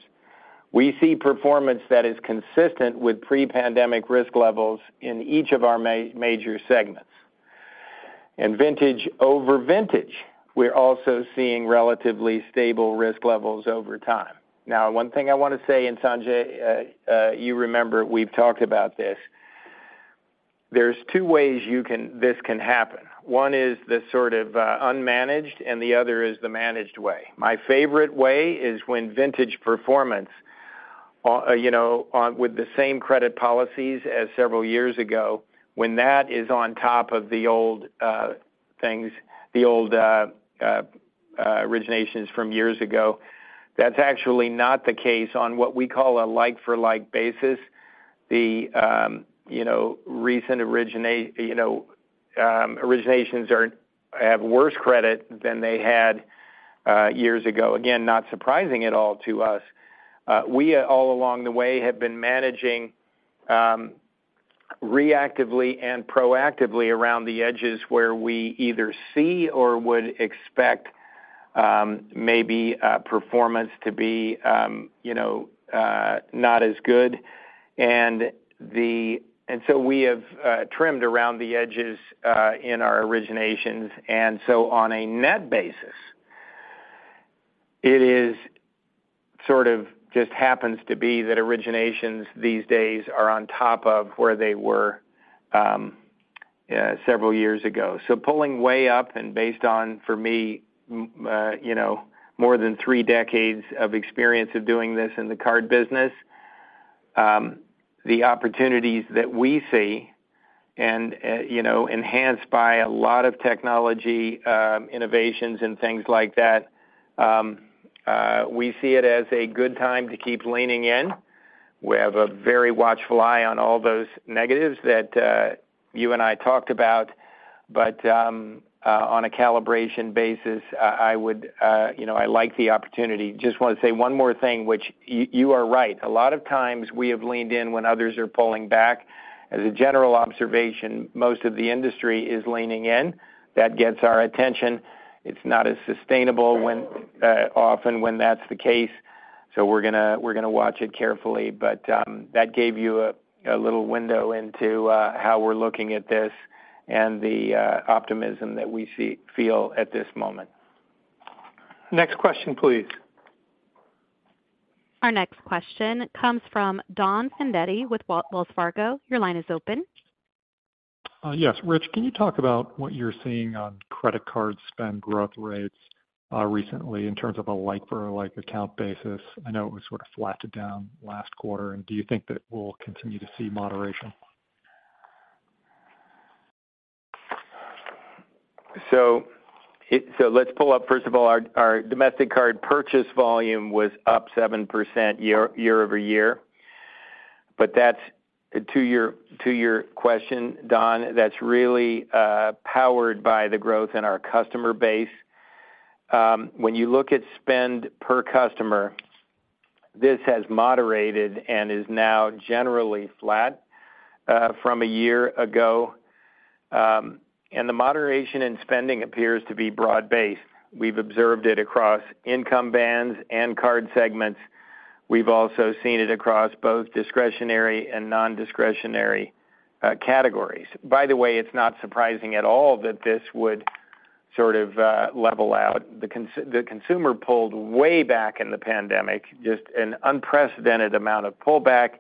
[SPEAKER 4] we see performance that is consistent with pre-pandemic risk levels in each of our major segments. Vintage over vintage, we're also seeing relatively stable risk levels over time. Now, one thing I want to say, and Sanjay, you remember, we've talked about this, there's 2 ways this can happen. One is the sort of unmanaged, and the other is the managed way. My favorite way is when vintage performance, you know, on, with the same credit policies as several years ago, when that is on top of the old things, the old originations from years ago, that's actually not the case on what we call a like-for-like basis. The, you know, recent originations are, have worse credit than they had years ago. Again, not surprising at all to us. We, all along the way, have been managing, reactively and proactively around the edges where we either see or would expect, maybe, performance to be, you know, not as good. We have trimmed around the edges in our originations, and so on a net basis, it is sort of just happens to be that originations these days are on top of where they were several years ago. Pulling way up, and based on, for me, you know, more than 3 decades of experience of doing this in the card business, the opportunities that we see and, you know, enhanced by a lot of technology, innovations and things like that, we see it as a good time to keep leaning in. We have a very watchful eye on all those negatives that you and I talked about. On a calibration basis, I would, you know, I like the opportunity. Just want to say one more thing, which you are right. A lot of times we have leaned in when others are pulling back. As a general observation, most of the industry is leaning in. That gets our attention. It's not as sustainable when often when that's the case. We're gonna watch it carefully, but that gave you a little window into how we're looking at this and the optimism that we see-- feel at this moment. Next question, please.
[SPEAKER 1] Our next question comes from Don Fandetti with Wells Fargo. Your line is open.
[SPEAKER 9] Yes, Rich, can you talk about what you're seeing on credit card spend growth rates recently in terms of a like for like account basis? I know it was sort of flatted down last quarter. Do you think that we'll continue to see moderation?
[SPEAKER 4] Let's pull up, first of all, our domestic card purchase volume was up 7% year-over-year. That's, to your question, Don, that's really powered by the growth in our customer base. When you look at spend per customer, this has moderated and is now generally flat from a year ago. The moderation in spending appears to be broad-based. We've observed it across income bands and card segments. We've also seen it across both discretionary and nondiscretionary categories. By the way, it's not surprising at all that this would sort of level out. The consumer pulled way back in the pandemic, just an unprecedented amount of pullback,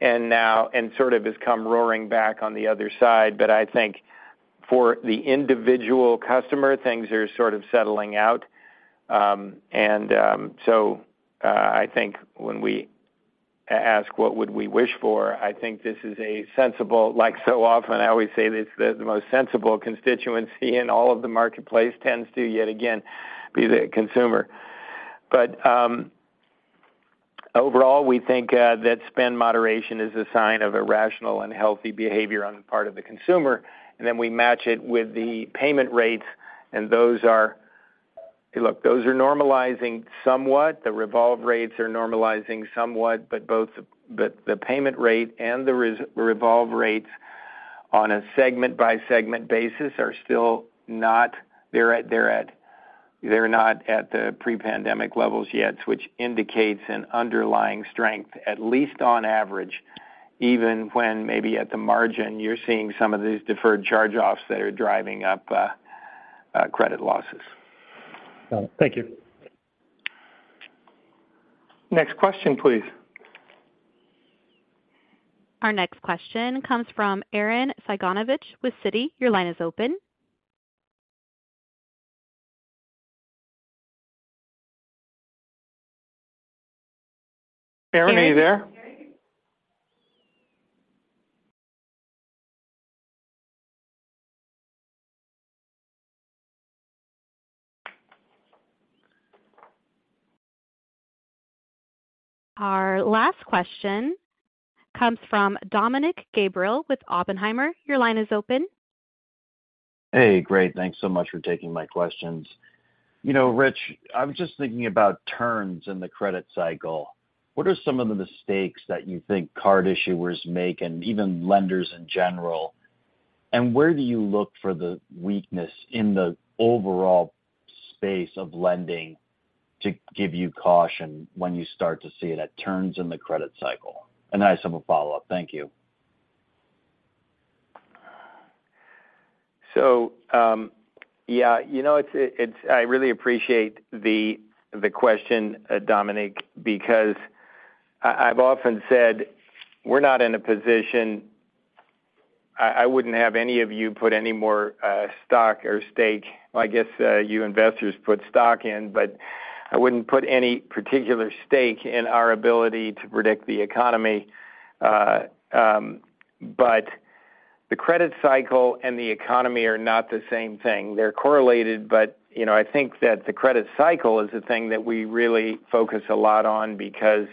[SPEAKER 4] and now sort of has come roaring back on the other side. I think for the individual customer, things are sort of settling out. I think when we ask what would we wish for, I think this is a sensible... Like so often, I always say this, the most sensible constituency in all of the marketplace tends to, yet again, be the consumer. overall, we think that spend moderation is a sign of a rational and healthy behavior on the part of the consumer, and then we match it with the payment rates, and Look, those are normalizing somewhat. The revolve rates are normalizing somewhat, but the payment rate and the revolve rates on a segment-by-segment basis they're not at the pre-pandemic levels yet, which indicates an underlying strength, at least on average, even when maybe at the margin, you're seeing some of these deferred charge-offs that are driving up credit losses.
[SPEAKER 9] Thank you.
[SPEAKER 4] Next question, please.
[SPEAKER 1] Our next question comes from Arren Cyganovich with Citi. Your line is open.
[SPEAKER 4] Arren, are you there?
[SPEAKER 1] Our last question comes from Dominick Gabriele with Oppenheimer. Your line is open.
[SPEAKER 10] Hey, great. Thanks so much for taking my questions. You know, Rich, I'm just thinking about turns in the credit cycle. What are some of the mistakes that you think card issuers make and even lenders in general? Where do you look for the weakness in the overall space of lending to give you caution when you start to see it at turns in the credit cycle? I just have a follow-up. Thank you.
[SPEAKER 4] Yeah, you know, it's, I really appreciate the question, Dominick, because I've often said we're not in a position. I wouldn't have any of you put any more stock or stake, well, I guess, you investors put stock in, but I wouldn't put any particular stake in our ability to predict the economy. The credit cycle and the economy are not the same thing. They're correlated, but, you know, I think that the credit cycle is the thing that we really focus a lot on because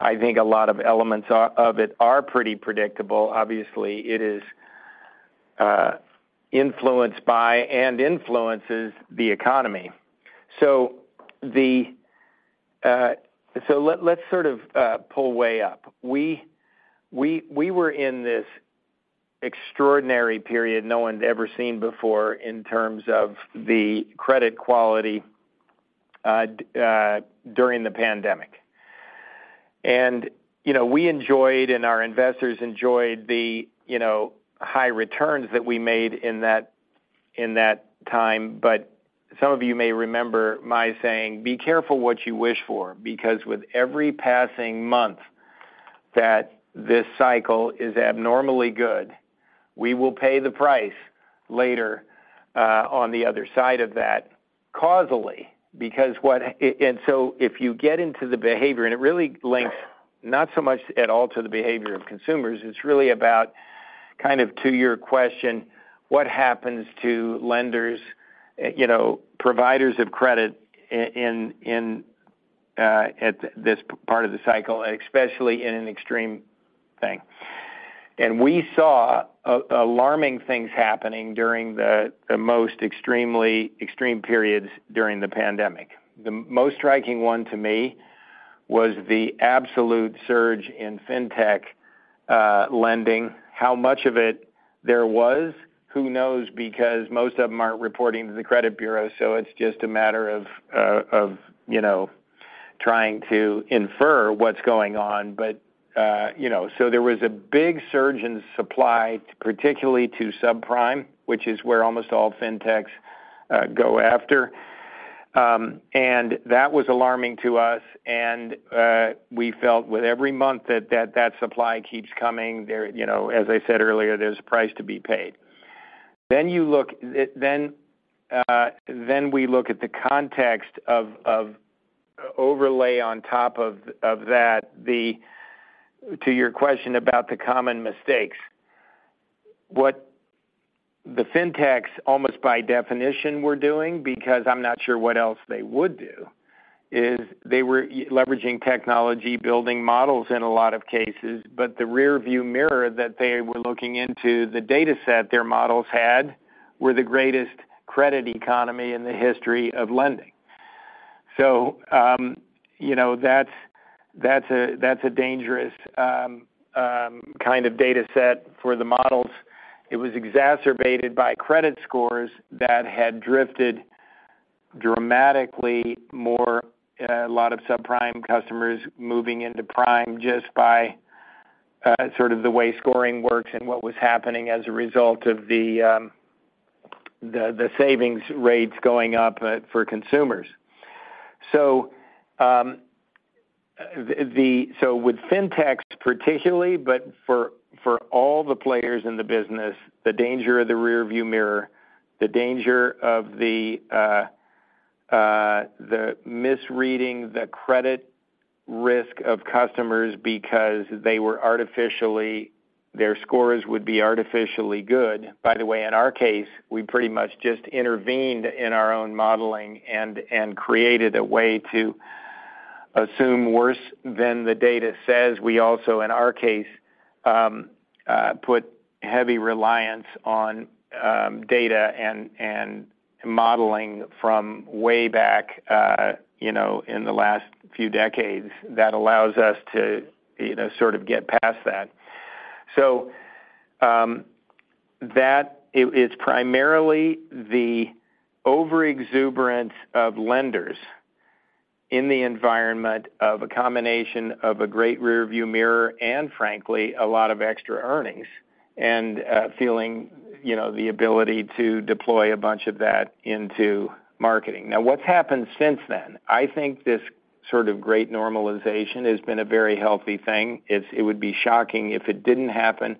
[SPEAKER 4] I think a lot of elements of it are pretty predictable. Obviously, it is influenced by and influences the economy. Let's sort of pull way up. We were in this extraordinary period no one's ever seen before in terms of the credit quality during the pandemic. You know, we enjoyed, and our investors enjoyed the, you know, high returns that we made in that, in that time. Some of you may remember my saying, "Be careful what you wish for," because with every passing month that this cycle is abnormally good, we will pay the price later on the other side of that, causally. Because if you get into the behavior, and it really links not so much at all to the behavior of consumers, it's really about kind of to your question, what happens to lenders, you know, providers of credit in, at this part of the cycle, especially in an extreme thing? We saw alarming things happening during the most extremely extreme periods during the pandemic. The most striking one to me was the absolute surge in fintech lending. How much of it there was? Who knows, because most of them aren't reporting to the credit bureau, so it's just a matter of, you know, trying to infer what's going on. You know, so there was a big surge in supply, particularly to subprime, which is where almost all fintechs go after. That was alarming to us, and we felt with every month that supply keeps coming there, you know, as I said earlier, there's a price to be paid. You look. We look at the context of overlay on top of that, the. To your question about the common mistakes, what the fintechs, almost by definition, were doing, because I'm not sure what else they would do, is they were leveraging technology, building models in a lot of cases, but the rearview mirror that they were looking into, the dataset their models had, were the greatest credit economy in the history of lending. you know, that's a, that's a dangerous, kind of dataset for the models. It was exacerbated by credit scores that had drifted dramatically more, a lot of subprime customers moving into prime just by, sort of the way scoring works and what was happening as a result of the, the savings rates going up, for consumers. With fintechs particularly, but for all the players in the business, the danger of the rearview mirror, the danger of the misreading the credit risk of customers because they were artificially their scores would be artificially good. By the way, in our case, we pretty much just intervened in our own modeling and created a way to assume worse than the data says. We also, in our case, put heavy reliance on data and modeling from way back, you know, in the last few decades, that allows us to, you know, sort of get past that. That It's primarily the overexuberance of lenders in the environment of a combination of a great rearview mirror and frankly, a lot of extra earnings, and feeling, you know, the ability to deploy a bunch of that into marketing. What's happened since then? I think this sort of great normalization has been a very healthy thing. It would be shocking if it didn't happen.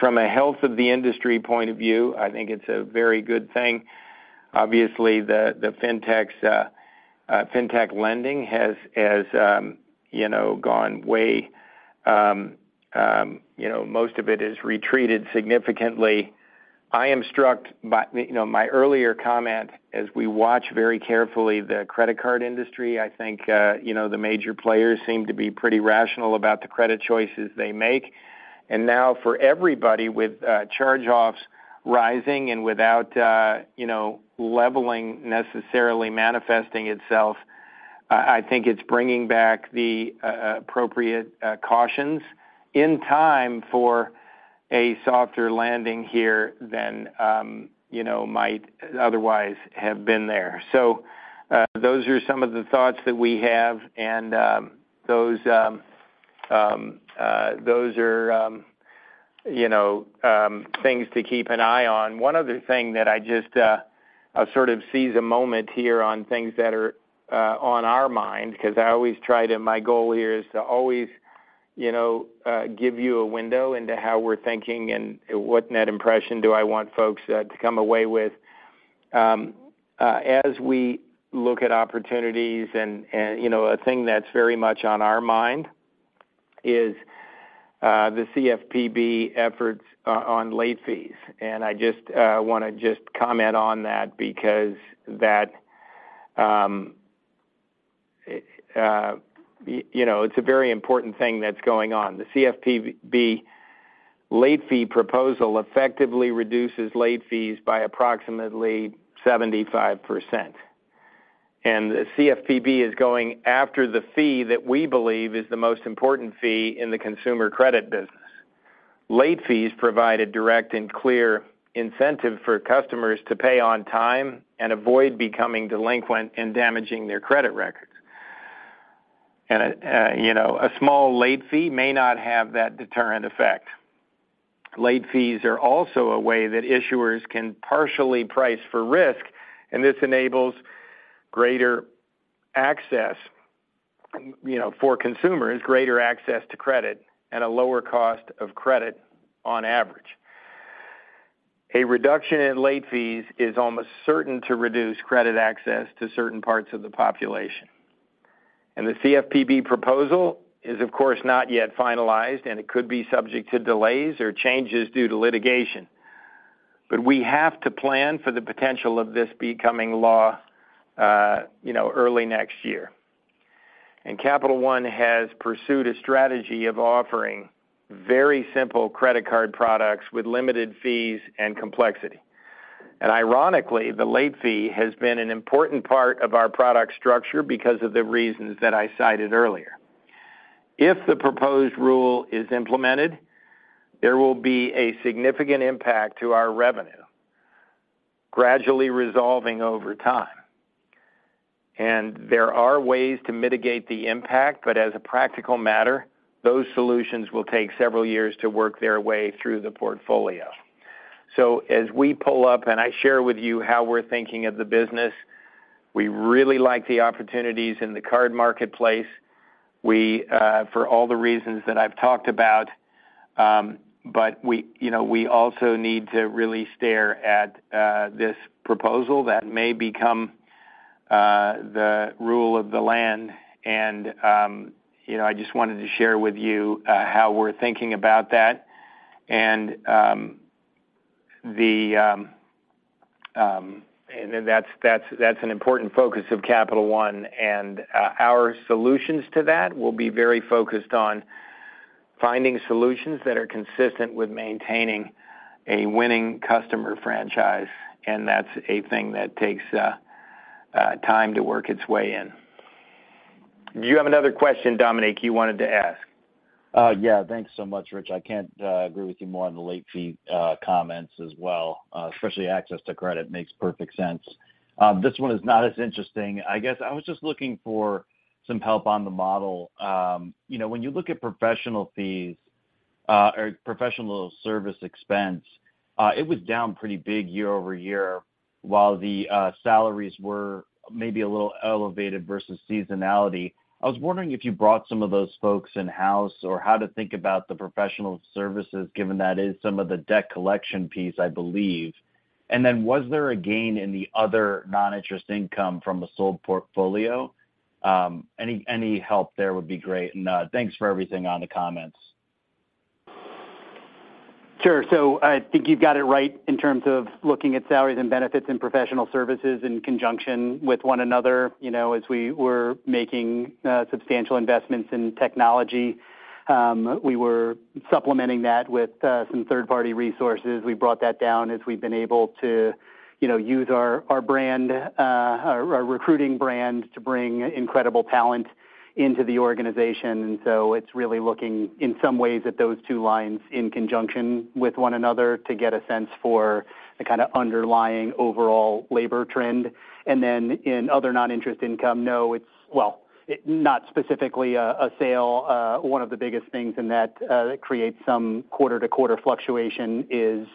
[SPEAKER 4] From a health of the industry point of view, I think it's a very good thing. Obviously, the fintechs, fintech lending has, you know, gone way, you know, most of it has retreated significantly. I am struck by, you know, my earlier comment, as we watch very carefully the credit card industry, I think, you know, the major players seem to be pretty rational about the credit choices they make. Now, for everybody, with charge-offs rising and without, you know, leveling necessarily manifesting itself, I think it's bringing back the appropriate cautions in time for a softer landing here than, you know, might otherwise have been there. Those are some of the thoughts that we have, and those are, you know, things to keep an eye on. One other thing that I just sort of seize a moment here on things that are on our mind, 'cause my goal here is to always, you know, give you a window into how we're thinking and what net impression do I want folks to come away with. As we look at opportunities and, you know, a thing that's very much on our mind is the CFPB efforts on late fees. I just wanna just comment on that because that, you know, it's a very important thing that's going on. The CFPB late fee proposal effectively reduces late fees by approximately 75%, and the CFPB is going after the fee that we believe is the most important fee in the consumer credit business. Late fees provide a direct and clear incentive for customers to pay on time and avoid becoming delinquent and damaging their credit records. You know, a small late fee may not have that deterrent effect. Late fees are also a way that issuers can partially price for risk. This enables greater access, you know, for consumers, greater access to credit at a lower cost of credit on average. A reduction in late fees is almost certain to reduce credit access to certain parts of the population. The CFPB proposal is, of course, not yet finalized, and it could be subject to delays or changes due to litigation. We have to plan for the potential of this becoming law, you know, early next year. Capital One has pursued a strategy of offering very simple credit card products with limited fees and complexity. Ironically, the late fee has been an important part of our product structure because of the reasons that I cited earlier. If the proposed rule is implemented, there will be a significant impact to our revenue, gradually resolving over time. There are ways to mitigate the impact, but as a practical matter, those solutions will take several years to work their way through the portfolio. As we pull up, and I share with you how we're thinking of the business, we really like the opportunities in the card marketplace. We, for all the reasons that I've talked about, but we, you know, we also need to really stare at this proposal that may become the rule of the land. You know, I just wanted to share with you how we're thinking about that. That's an important focus of Capital One. Our solutions to that will be very focused on finding solutions that are consistent with maintaining a winning customer franchise, and that's a thing that takes time to work its way in. Do you have another question, Dominique, you wanted to ask?
[SPEAKER 10] Yeah. Thanks so much, Rich. I can't agree with you more on the late fee comments as well, especially access to credit makes perfect sense. This one is not as interesting. I guess I was just looking for some help on the model. You know, when you look at professional fees, or professional service expense, it was down pretty big year-over-year, while the salaries were maybe a little elevated versus seasonality. I was wondering if you brought some of those folks in-house, or how to think about the professional services, given that is some of the debt collection piece, I believe. Was there a gain in the other non-interest income from the sold portfolio? Any help there would be great. Thanks for everything on the comments.
[SPEAKER 3] Sure. I think you've got it right in terms of looking at salaries and benefits and professional services in conjunction with one another. You know, as we were making substantial investments in technology, we were supplementing that with some third-party resources. We brought that down as we've been able to, you know, use our brand, our recruiting brand to bring incredible talent into the organization. It's really looking, in some ways, at those two lines in conjunction with one another to get a sense for the kind of underlying overall labor trend. In other non-interest income, no, well, not specifically a sale. One of the biggest things in that creates some quarter-to-quarter fluctuation is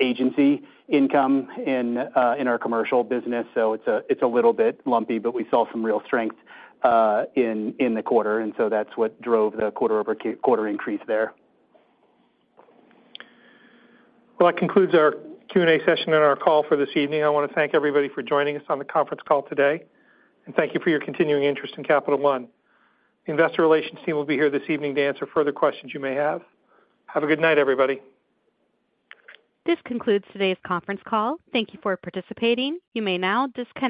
[SPEAKER 3] agency income in our commercial business. It's a little bit lumpy, but we saw some real strength, in the quarter, and so that's what drove the quarter-over-quarter increase there.
[SPEAKER 2] Well, that concludes our Q&A session and our call for this evening. I want to thank everybody for joining us on the conference call today. Thank you for your continuing interest in Capital One. Investor relations team will be here this evening to answer further questions you may have. Have a good night, everybody.
[SPEAKER 1] This concludes today's conference call. Thank you for participating. You may now disconnect.